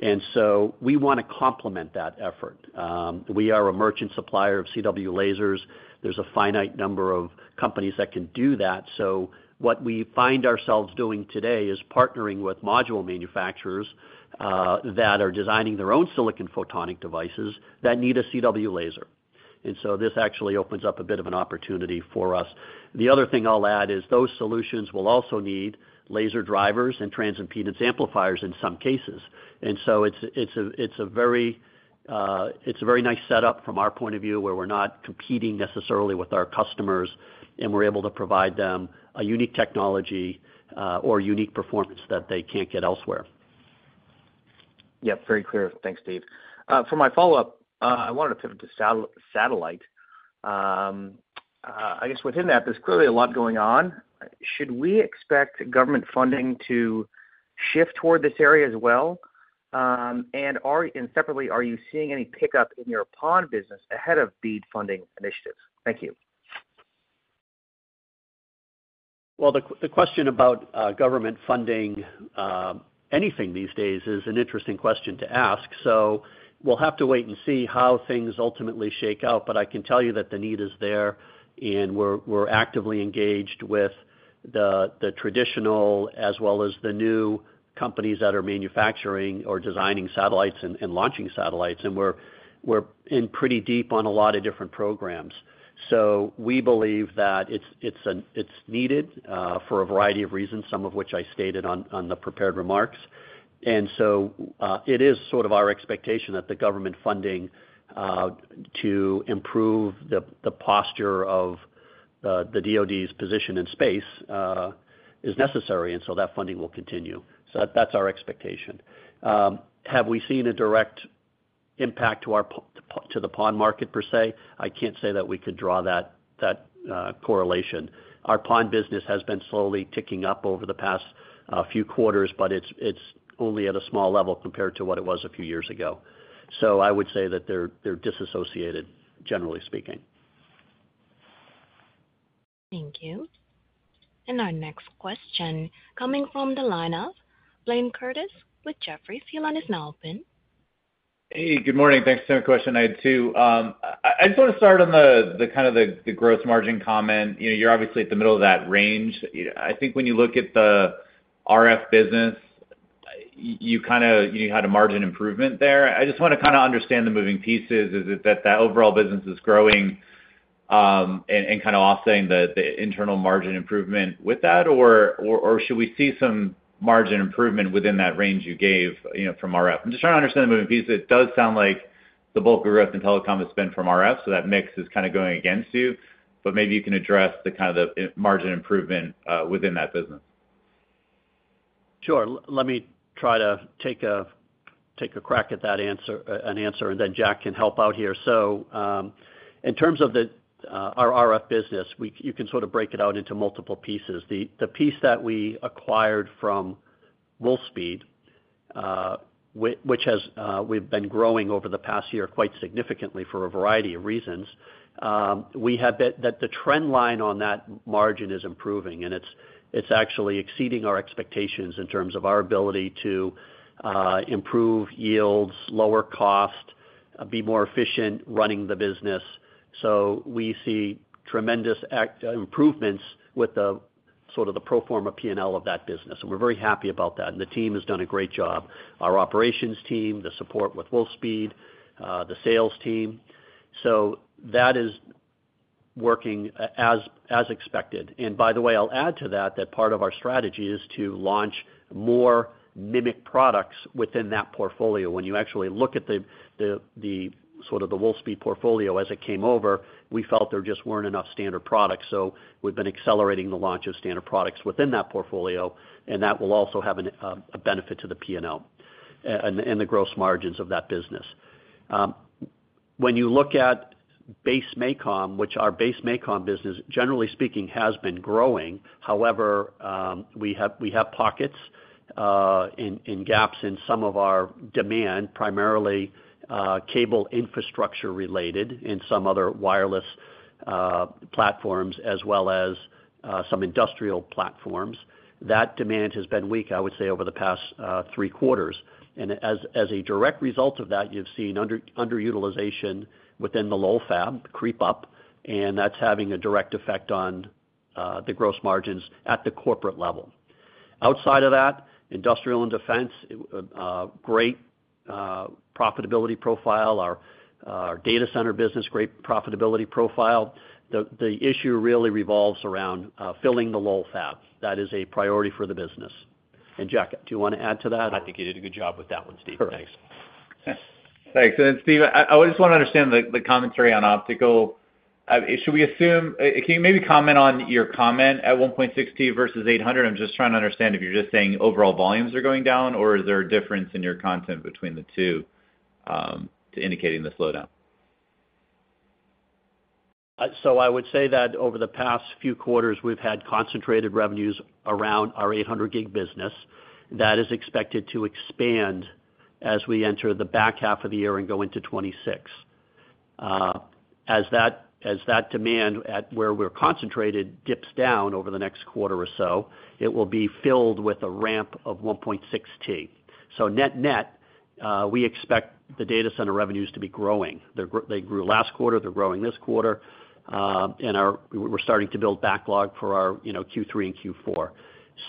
And so we want to complement that effort. We are a merchant supplier of CW lasers. There's a finite number of companies that can do that. So what we find ourselves doing today is partnering with module manufacturers that are designing their own silicon photonic devices that need a CW laser. And so this actually opens up a bit of an opportunity for us. The other thing I'll add is those solutions will also need laser drivers and transimpedance amplifiers in some cases. And so it's a very nice setup from our point of view where we're not competing necessarily with our customers, and we're able to provide them a unique technology or unique performance that they can't get elsewhere. Yep. Very clear. Thanks, Steve. For my follow-up, I wanted to pivot to satellite. I guess within that, there's clearly a lot going on. Should we expect government funding to shift toward this area as well? And separately, are you seeing any pickup in your PON business ahead of BEAD funding initiatives? Thank you. The question about government funding anything these days is an interesting question to ask. We'll have to wait and see how things ultimately shake out. I can tell you that the need is there, and we're actively engaged with the traditional as well as the new companies that are manufacturing or designing satellites and launching satellites. We're in pretty deep on a lot of different programs. We believe that it's needed for a variety of reasons, some of which I stated on the prepared remarks. It is sort of our expectation that the government funding to improve the posture of the DoD's position in space is necessary. That funding will continue. That's our expectation. Have we seen a direct impact to the PON market per se? I can't say that we could draw that correlation. Our PON business has been slowly ticking up over the past few quarters, but it's only at a small level compared to what it was a few years ago. So I would say that they're disassociated, generally speaking. Thank you. And our next question coming from the line of Blaine Curtis with Jefferies. He's now open. Hey, good morning. Thanks for the question. I had to. I just want to start on the kind of gross margin comment. You're obviously at the middle of that range. I think when you look at the RF business, you kind of had a margin improvement there. I just want to kind of understand the moving pieces. Is it that overall business is growing and kind of offsetting the internal margin improvement with that? Or should we see some margin improvement within that range you gave from RF? I'm just trying to understand the moving pieces. It does sound like the bulk of growth in telecom has been from RF, so that mix is kind of going against you. But maybe you can address the kind of the margin improvement within that business. Sure. Let me try to take a crack at that answer, and then Jack can help out here. So in terms of our RF business, you can sort of break it out into multiple pieces. The piece that we acquired from Wolfspeed, which we've been growing over the past year quite significantly for a variety of reasons, we have that the trend line on that margin is improving, and it's actually exceeding our expectations in terms of our ability to improve yields, lower cost, be more efficient running the business. So we see tremendous improvements with sort of the pro forma P&L of that business. And we're very happy about that. And the team has done a great job, our operations team, the support with Wolfspeed, the sales team. So that is working as expected. And by the way, I'll add to that that part of our strategy is to launch more MMIC products within that portfolio. When you actually look at sort of the Wolfspeed portfolio as it came over, we felt there just weren't enough standard products. So we've been accelerating the launch of standard products within that portfolio, and that will also have a benefit to the P&L and the gross margins of that business. When you look at base MACOM, which our base MACOM business, generally speaking, has been growing. However, we have pockets and gaps in some of our demand, primarily cable infrastructure related and some other wireless platforms as well as some industrial platforms. That demand has been weak, I would say, over the past three quarters. As a direct result of that, you've seen underutilization within the Lowell fab creep up, and that's having a direct effect on the gross margins at the corporate level. Outside of that, industrial and defense, great profitability profile. Our data center business, great profitability profile. The issue really revolves around filling the Lowell fab. That is a priority for the business. And Jack, do you want to add to that? I think you did a good job with that one, Steve. Thanks. Thanks. And Steve, I just want to understand the commentary on optical. Should we assume? Can you maybe comment on your comment at 1.6T versus 800G? I'm just trying to understand if you're just saying overall volumes are going down, or is there a difference in your content between the two indicating the slowdown? So I would say that over the past few quarters, we've had concentrated revenues around our 800 gig business. That is expected to expand as we enter the back half of the year and go into 2026. As that demand at where we're concentrated dips down over the next quarter or so, it will be filled with a ramp of 1.6T. So net net, we expect the data center revenues to be growing. They grew last quarter. They're growing this quarter. And we're starting to build backlog for our Q3 and Q4.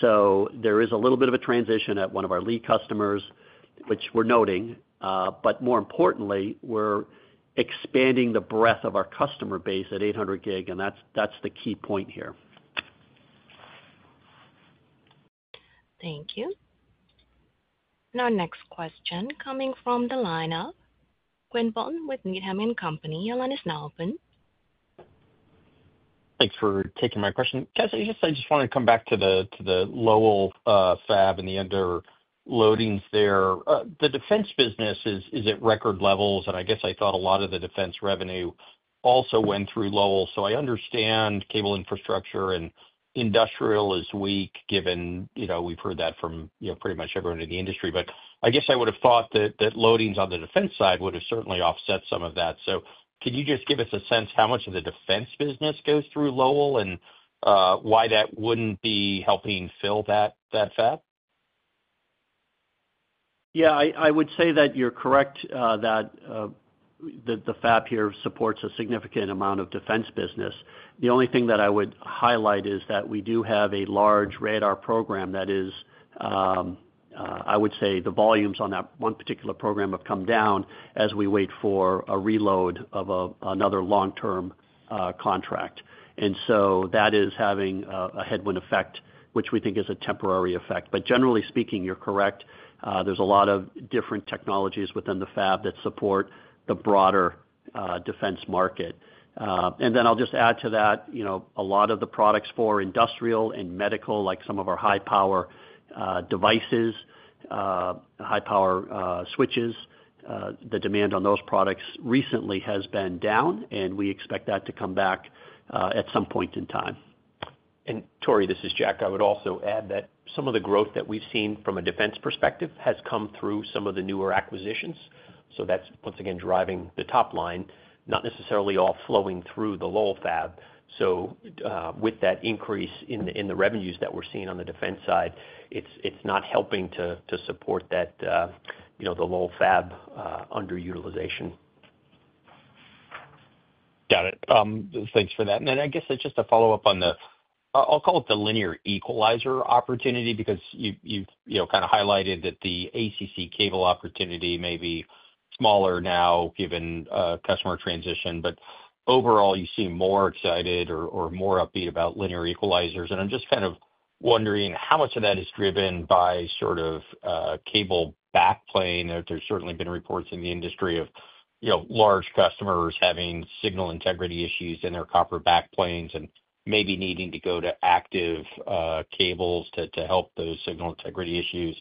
So there is a little bit of a transition at one of our lead customers, which we're noting. But more importantly, we're expanding the breadth of our customer base at 800 gig, and that's the key point here. Thank you. And our next question coming from the line of Quinn Bolton with Needham and Company. Your line is now open Thanks for taking my question. I just wanted to come back to the Lowell fab and the underloadings there. The defense business is at record levels, and I guess I thought a lot of the defense revenue also went through Lowell. So I understand cable infrastructure and industrial is weak given we've heard that from pretty much everyone in the industry. But I guess I would have thought that loadings on the defense side would have certainly offset some of that. So could you just give us a sense how much of the defense business goes through Lowell and why that wouldn't be helping fill that fab? Yeah. I would say that you're correct that the fab here supports a significant amount of defense business. The only thing that I would highlight is that we do have a large radar program that is, I would say, the volumes on that one particular program have come down as we wait for a reload of another long-term contract, and so that is having a headwind effect, which we think is a temporary effect, but generally speaking, you're correct. There's a lot of different technologies within the fab that support the broader defense market, and then I'll just add to that a lot of the products for industrial and medical, like some of our high-power devices, high-power switches, the demand on those products recently has been down, and we expect that to come back at some point in time, and Tore, this is Jack. I would also add that some of the growth that we've seen from a defense perspective has come through some of the newer acquisitions. So that's once again driving the top line, not necessarily all flowing through the Lowell fab. So with that increase in the revenues that we're seeing on the defense side, it's not helping to support the Lowell fab underutilization. Got it. Thanks for that. And then I guess just a follow-up on the, I'll call it the linear equalizer opportunity because you've kind of highlighted that the ACC cable opportunity may be smaller now given customer transition. But overall, you seem more excited or more upbeat about linear equalizers. And I'm just kind of wondering how much of that is driven by sort of cable backplane. There's certainly been reports in the industry of large customers having signal integrity issues in their copper backplanes and maybe needing to go to active cables to help those signal integrity issues.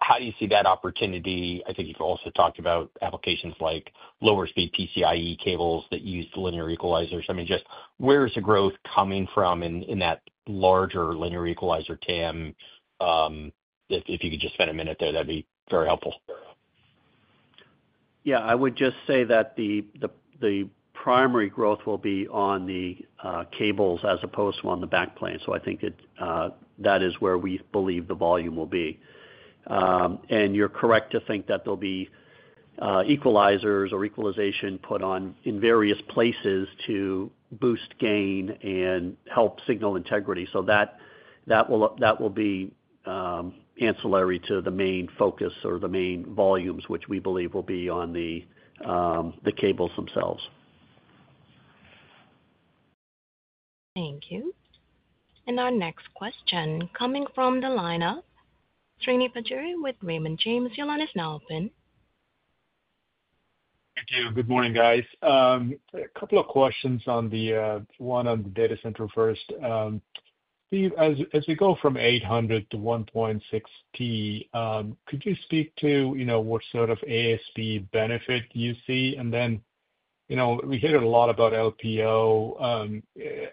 How do you see that opportunity? I think you've also talked about applications like lower-speed PCIe cables that use linear equalizers. I mean, just where is the growth coming from in that larger linear equalizer TAM? If you could just spend a minute there, that'd be very helpful. Yeah. I would just say that the primary growth will be on the cables as opposed to on the backplane. So I think that is where we believe the volume will be. And you're correct to think that there'll be equalizers or equalization put on in various places to boost gain and help signal integrity. So that will be ancillary to the main focus or the main volumes, which we believe will be on the cables themselves. Thank you. And our next question coming from the line of Srini Pajjuri with Raymond James. Your line is now open. Thank you. Good morning, guys. A couple of questions on the 800G on the data center first. Steve, as we go from 800 to 1.6T, could you speak to what sort of ASP benefit you see? And then we hear a lot about LPO.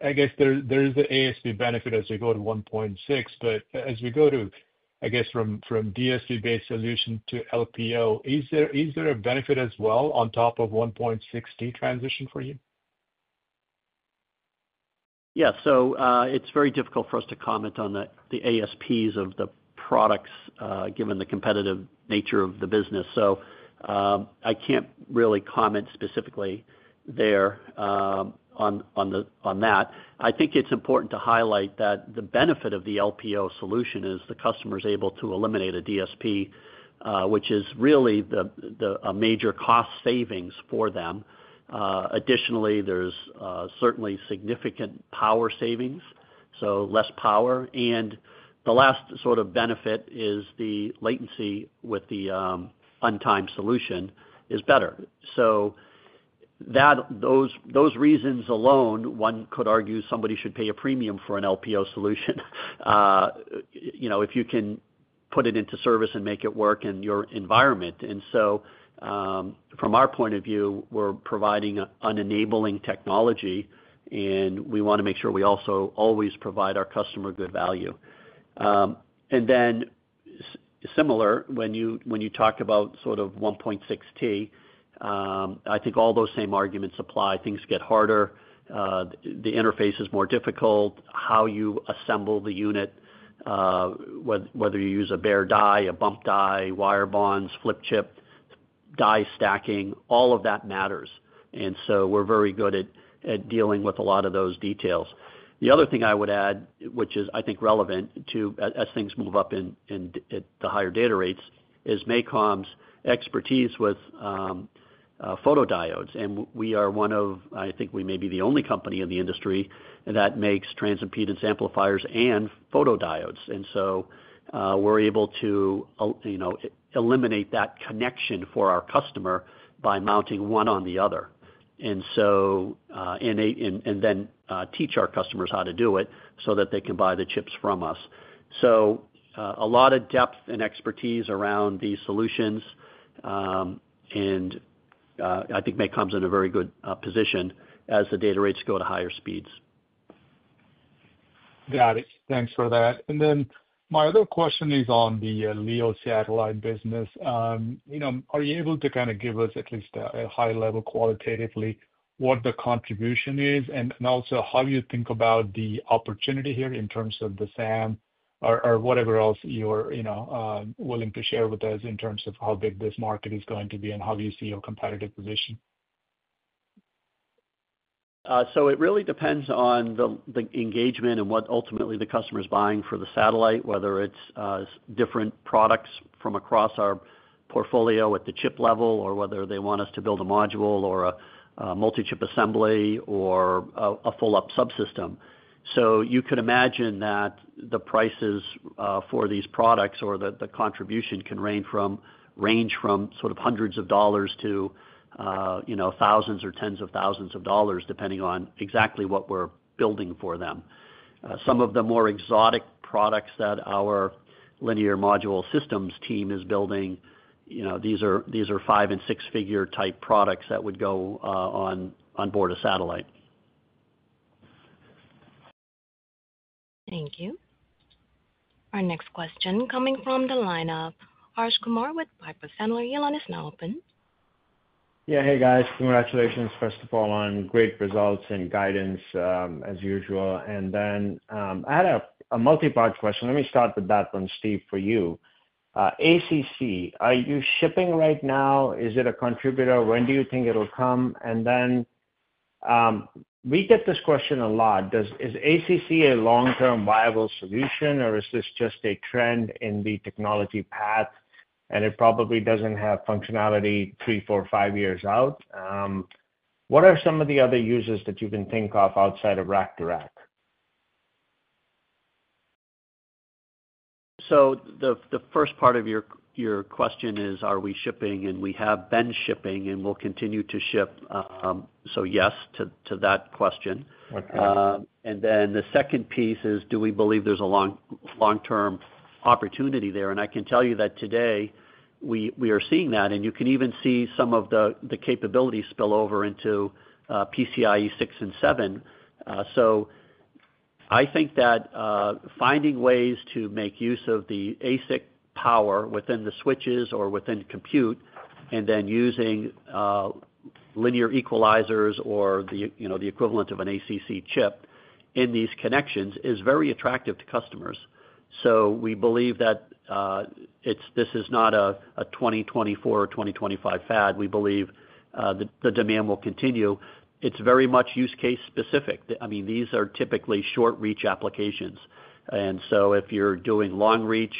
I guess there is the ASP benefit as we go to 1.6T, but as we go to, I guess, from DSP-based solution to LPO, is there a benefit as well on top of 1.6T transition for you? Yeah. So it's very difficult for us to comment on the ASPs of the products given the competitive nature of the business. So I can't really comment specifically there on that. I think it's important to highlight that the benefit of the LPO solution is the customer is able to eliminate a DSP, which is really a major cost savings for them. Additionally, there's certainly significant power savings, so less power. And the last sort of benefit is the latency with the untimed solution is better. So those reasons alone, one could argue somebody should pay a premium for an LPO solution if you can put it into service and make it work in your environment. And so from our point of view, we're providing enabling technology, and we want to make sure we also always provide our customer good value. And then similar, when you talk about sort of 1.6T, I think all those same arguments apply. Things get harder. The interface is more difficult. How you assemble the unit, whether you use a bare die, a bump die, wire bonds, flip chip, die stacking, all of that matters. And so we're very good at dealing with a lot of those details. The other thing I would add, which is I think relevant to as things move up at the higher data rates, is MACOM's expertise with photodiodes. And we are one of, I think we may be the only company in the industry that makes transimpedance amplifiers and photodiodes. And so we're able to eliminate that connection for our customer by mounting one on the other. And then teach our customers how to do it so that they can buy the chips from us. So a lot of depth and expertise around these solutions. And I think MACOM's in a very good position as the data rates go to higher speeds. Got it. Thanks for that. And then my other question is on the LEO satellite business. Are you able to kind of give us at least a high level qualitatively what the contribution is? And also, how do you think about the opportunity here in terms of the SAM or whatever else you're willing to share with us in terms of how big this market is going to be and how do you see your competitive position? So it really depends on the engagement and what ultimately the customer is buying for the satellite, whether it's different products from across our portfolio at the chip level or whether they want us to build a module or a multi-chip assembly or a full-up subsystem. So you could imagine that the prices for these products or the contribution can range from sort of hundreds of dollars to thousands or tens of thousands of dollars, depending on exactly what we're building for them. Some of the more exotic products that our Linear Module systems team is building, these are five and six-figure type products that would go onboard a satellite. Thank you. Our next question coming from the line of Harsh Kumar with Piper Sandler. Harsh, you're now open. Yeah. Hey, guys. Congratulations, first of all, on great results and guidance as usual, and then I had a multi-part question. Let me start with that one, Steve, for you. ACC, are you shipping right now? Is it a contributor? When do you think it'll come, and then we get this question a lot. Is ACC a long-term viable solution, or is this just a trend in the technology path, and it probably doesn't have functionality three, four, five years out. What are some of the other uses that you can think of outside of rack-to-rack? So the first part of your question is, are we shipping? And we have been shipping, and we'll continue to ship. So yes to that question. And then the second piece is, do we believe there's a long-term opportunity there? And I can tell you that today we are seeing that. And you can even see some of the capabilities spill over into PCIe 6 and 7. So I think that finding ways to make use of the ASIC power within the switches or within compute and then using linear equalizers or the equivalent of an ACC chip in these connections is very attractive to customers. So we believe that this is not a 2024 or 2025 fad. We believe the demand will continue. It's very much use case specific. I mean, these are typically short-reach applications. And so, if you're doing long-reach,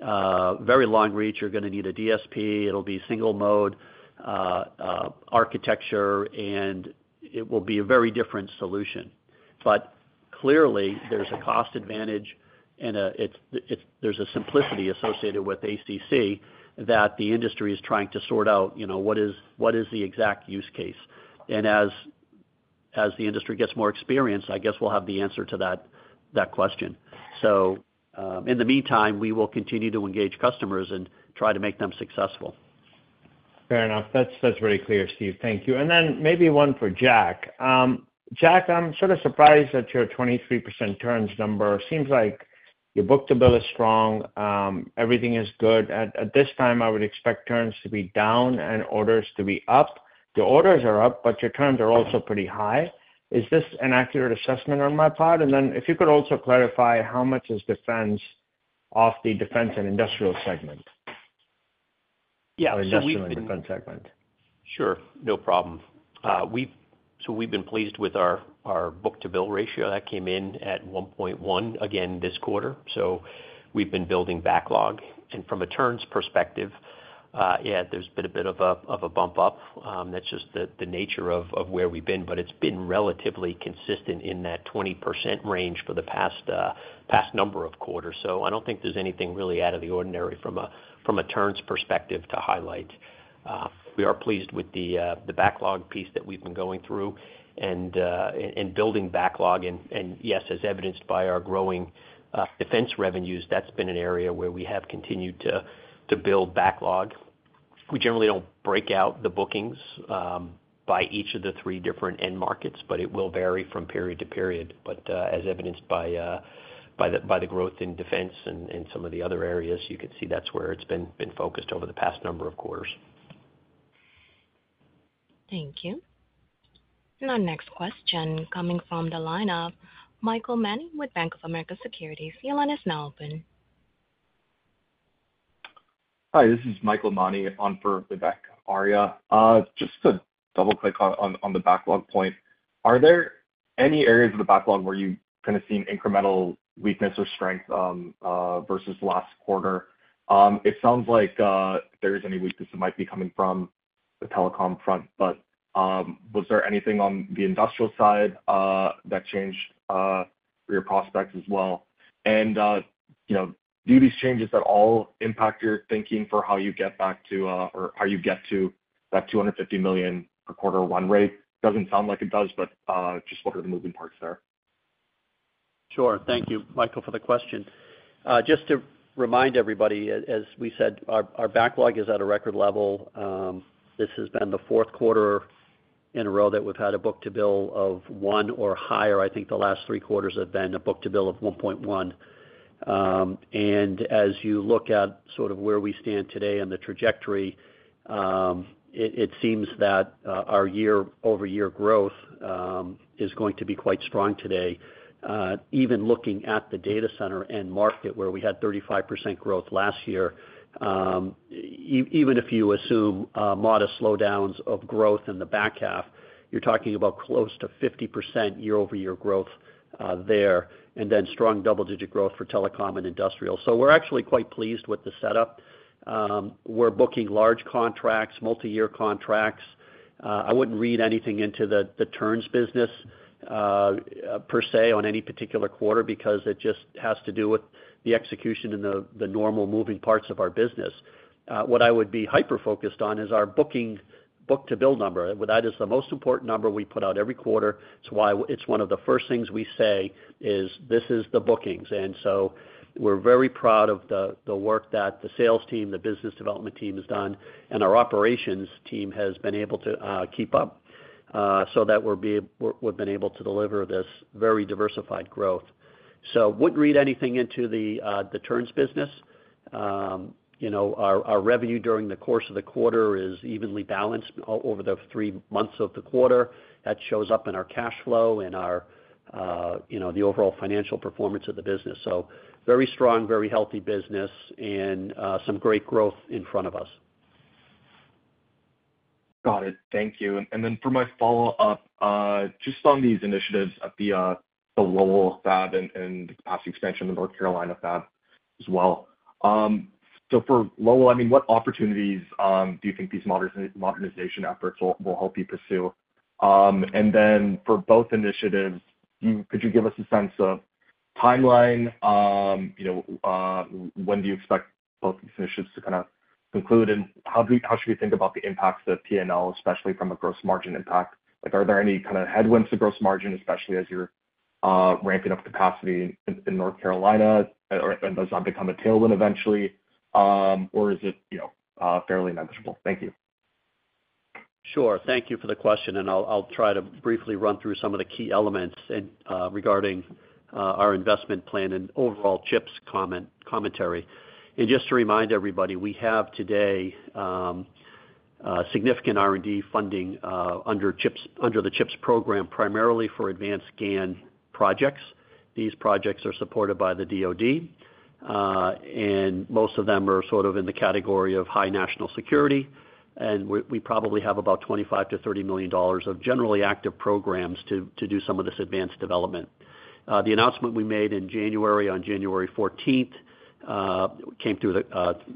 very long-reach, you're going to need a DSP. It'll be single-mode architecture, and it will be a very different solution. But clearly, there's a cost advantage, and there's a simplicity associated with ACC that the industry is trying to sort out what is the exact use case. And as the industry gets more experienced, I guess we'll have the answer to that question. So in the meantime, we will continue to engage customers and try to make them successful. Fair enough. That's very clear, Steve. Thank you. And then maybe one for Jack. Jack, I'm sort of surprised at your 23% turns number. Seems like your book to bill is strong. Everything is good. At this time, I would expect turns to be down and orders to be up. Your orders are up, but your turns are also pretty high. Is this an accurate assessment on my part? And then if you could also clarify how much is defense of the defense and industrial segment? Yeah. Certainly. Or industrial and defense segment. Sure. No problem. So we've been pleased with our book-to-bill ratio. That came in at 1.1 again this quarter. So we've been building backlog. And from a turns perspective, yeah, there's been a bit of a bump up. That's just the nature of where we've been. But it's been relatively consistent in that 20% range for the past number of quarters. So I don't think there's anything really out of the ordinary from a turns perspective to highlight. We are pleased with the backlog piece that we've been going through and building backlog. And yes, as evidenced by our growing defense revenues, that's been an area where we have continued to build backlog. We generally don't break out the bookings by each of the three different end markets, but it will vary from period to period. But as evidenced by the growth in defense and some of the other areas, you can see that's where it's been focused over the past number of quarters. Thank you. And our next question coming from the line of Michael Manning with Bank of America Securities. Your line is now open. Hi. This is Michael Manning on for Bank of America. Just to double-click on the backlog point, are there any areas of the backlog where you kind of see an incremental weakness or strength versus last quarter? It sounds like there is any weakness that might be coming from the telecom front, but was there anything on the industrial side that changed your prospects as well? Do these changes at all impact your thinking for how you get back to or how you get to that $250 million per quarter run rate? Doesn't sound like it does, but just what are the moving parts there? Sure. Thank you, Michael, for the question. Just to remind everybody, as we said, our backlog is at a record level. This has been the Q4 in a row that we've had a book to bill of one or higher. I think the last Q3 have been a book to bill of 1.1. And as you look at sort of where we stand today and the trajectory, it seems that our year-over-year growth is going to be quite strong today. Even looking at the data center and market where we had 35% growth last year, even if you assume modest slowdowns of growth in the back half, you're talking about close to 50% year-over-year growth there, and then strong double-digit growth for telecom and industrial. So we're actually quite pleased with the setup. We're booking large contracts, multi-year contracts. I wouldn't read anything into the turns business per se on any particular quarter because it just has to do with the execution and the normal moving parts of our business. What I would be hyper-focused on is our book to bill number. That is the most important number we put out every quarter. It's one of the first things we say is, "This is the bookings." And so we're very proud of the work that the sales team, the business development team has done, and our operations team has been able to keep up so that we've been able to deliver this very diversified growth. So I wouldn't read anything into the turns business. Our revenue during the course of the quarter is evenly balanced over the three months of the quarter. That shows up in our cash flow and the overall financial performance of the business. So very strong, very healthy business, and some great growth in front of us. Got it. Thank you. And then for my follow-up, just on these initiatives at the Lowell fab and the capacity expansion of North Carolina fab as well. So for Lowell, I mean, what opportunities do you think these modernization efforts will help you pursue? And then for both initiatives, could you give us a sense of timeline? When do you expect both initiatives to kind of conclude? And how should we think about the impacts of P&L, especially from a gross margin impact? Are there any kind of headwinds to gross margin, especially as you're ramping up capacity in North Carolina? And does that become a tailwind eventually? Or is it fairly negligible? Thank you. Sure. Thank you for the question. And I'll try to briefly run through some of the key elements regarding our investment plan and overall CHIPS commentary. And just to remind everybody, we have today significant R&D funding under the CHIPS program, primarily for advanced GaN projects. These projects are supported by the DoD, and most of them are sort of in the category of high national security, and we probably have about $25 million-$30 million of generally active programs to do some of this advanced development. The announcement we made in January on January 14th came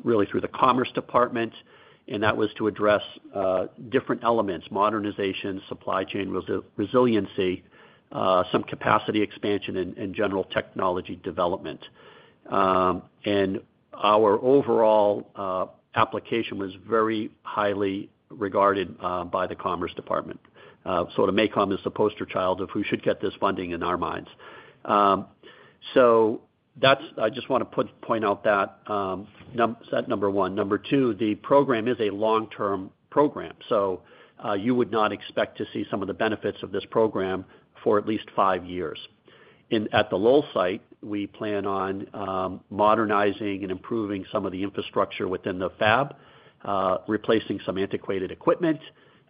really through the Commerce Department, and that was to address different elements: modernization, supply chain resiliency, some capacity expansion, and general technology development, and our overall application was very highly regarded by the Commerce Department. So, MACOM is the poster child of who should get this funding in our minds. So I just want to point out that. So that's number one. Number two, the program is a long-term program. So you would not expect to see some of the benefits of this program for at least five years. At the Lowell site, we plan on modernizing and improving some of the infrastructure within the fab, replacing some antiquated equipment.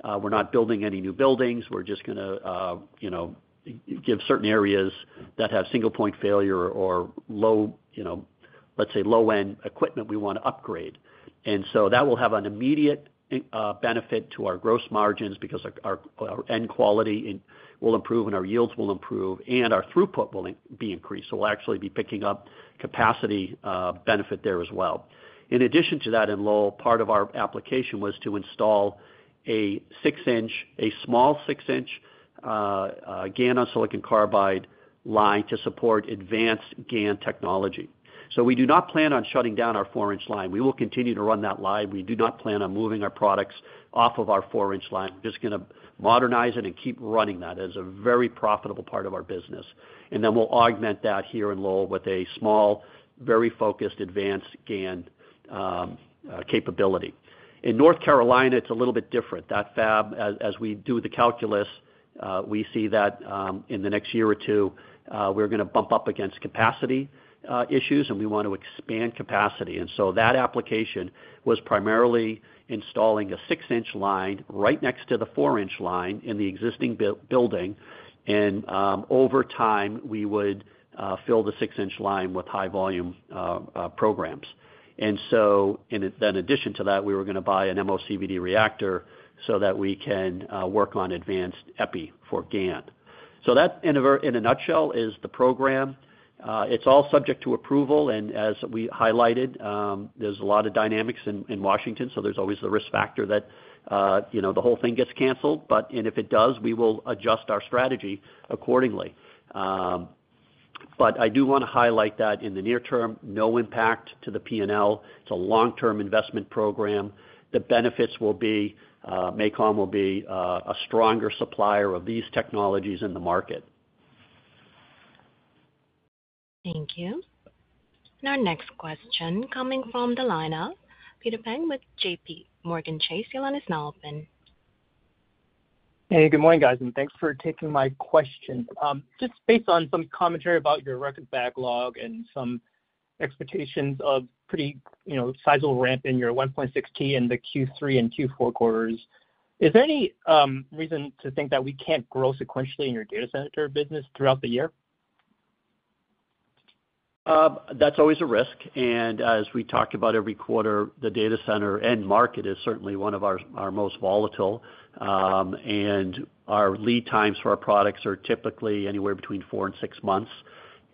We're not building any new buildings. We're just going to give certain areas that have single-point failure or, let's say, low-end equipment we want to upgrade, and so that will have an immediate benefit to our gross margins because our end quality will improve and our yields will improve, and our throughput will be increased, so we'll actually be picking up capacity benefit there as well. In addition to that in Lowell, part of our application was to install a small 6-inch GaN on silicon carbide line to support advanced GaN technology, so we do not plan on shutting down our 4-inch line. We will continue to run that live. We do not plan on moving our products off of our 4-inch line. We're just going to modernize it and keep running that as a very profitable part of our business, and then we'll augment that here in Lowell with a small, very focused advanced GaN capability. In North Carolina, it's a little bit different. That fab, as we do the calculus, we see that in the next year or two, we're going to bump up against capacity issues, and we want to expand capacity, and so that application was primarily installing a 6-inch line right next to the 4-inch line in the existing building, and over time, we would fill the 6-inch line with high-volume programs, and then in addition to that, we were going to buy an MOCVD reactor so that we can work on advanced Epi for GaN, so that, in a nutshell, is the program. It's all subject to approval. And as we highlighted, there's a lot of dynamics in Washington, so there's always the risk factor that the whole thing gets canceled. And if it does, we will adjust our strategy accordingly. But I do want to highlight that in the near term, no impact to the P&L. It's a long-term investment program. The benefits will be MACOM will be a stronger supplier of these technologies in the market. Thank you. And our next question coming from the line of Peter Peng,, you're now open. Hey, good morning, guys. And thanks for taking my question. Just based on some commentary about your record backlog and some expectations of pretty sizable ramp in your 1.6T in the Q3 and Q4 quarters, is there any reason to think that we can't grow sequentially in your data center business throughout the year? That's always a risk. As we talked about every quarter, the data center end market is certainly one of our most volatile. Our lead times for our products are typically anywhere between four and six months.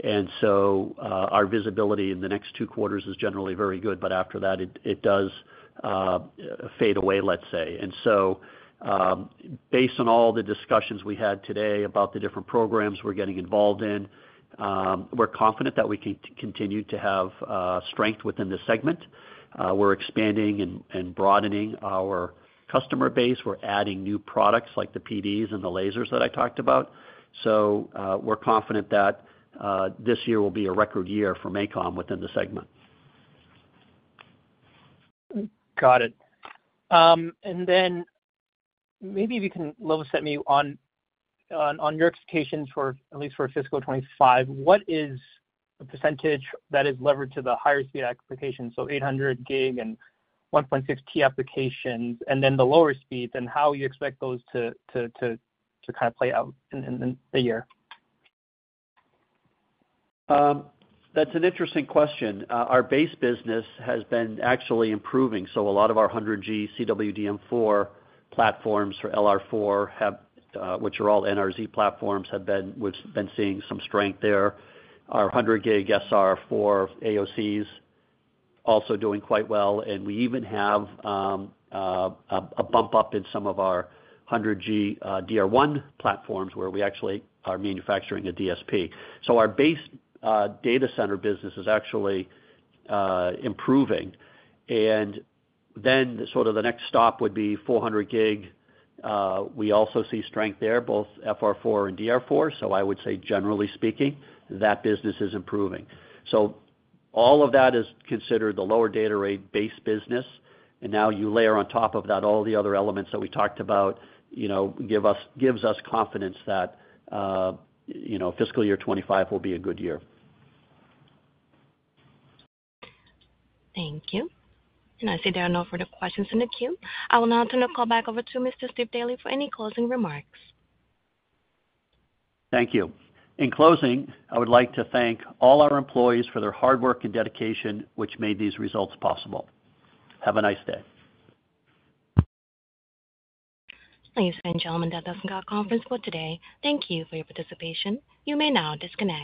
Our visibility in the next two quarters is generally very good, but after that, it does fade away, let's say. Based on all the discussions we had today about the different programs we're getting involved in, we're confident that we can continue to have strength within this segment. We're expanding and broadening our customer base. We're adding new products like the PDs and the lasers that I talked about. We're confident that this year will be a record year for MACOM within the segment. Got it. Then maybe you can level set me on your expectations for at least for fiscal 2025. What is the percentage that is leveraged to the higher speed applications? So 800 gig and 1.6T applications, and then the lower speeds, and how you expect those to kind of play out in the year? That's an interesting question. Our base business has been actually improving. So a lot of our 100G CWDM4 platforms for LR4, which are all NRZ platforms, have been seeing some strength there. Our 100 gig SR4 AOCs are also doing quite well. And we even have a bump up in some of our 100G DR1 platforms where we actually are manufacturing a DSP. So our base data center business is actually improving. And then sort of the next stop would be 400 gig. We also see strength there, both FR4 and DR4. So I would say, generally speaking, that business is improving. So all of that is considered the lower data rate base business. And now you layer on top of that all the other elements that we talked about, gives us confidence that fiscal year 2025 will be a good year. Thank you. And I see there are no further questions in the queue. I will now turn the call back over to Mr. Steve Daly for any closing remarks. Thank you. In closing, I would like to thank all our employees for their hard work and dedication, which made these results possible. Have a nice day. Ladies and gentlemen, that does conclude our call for today. Thank you for your participation. You may now disconnect.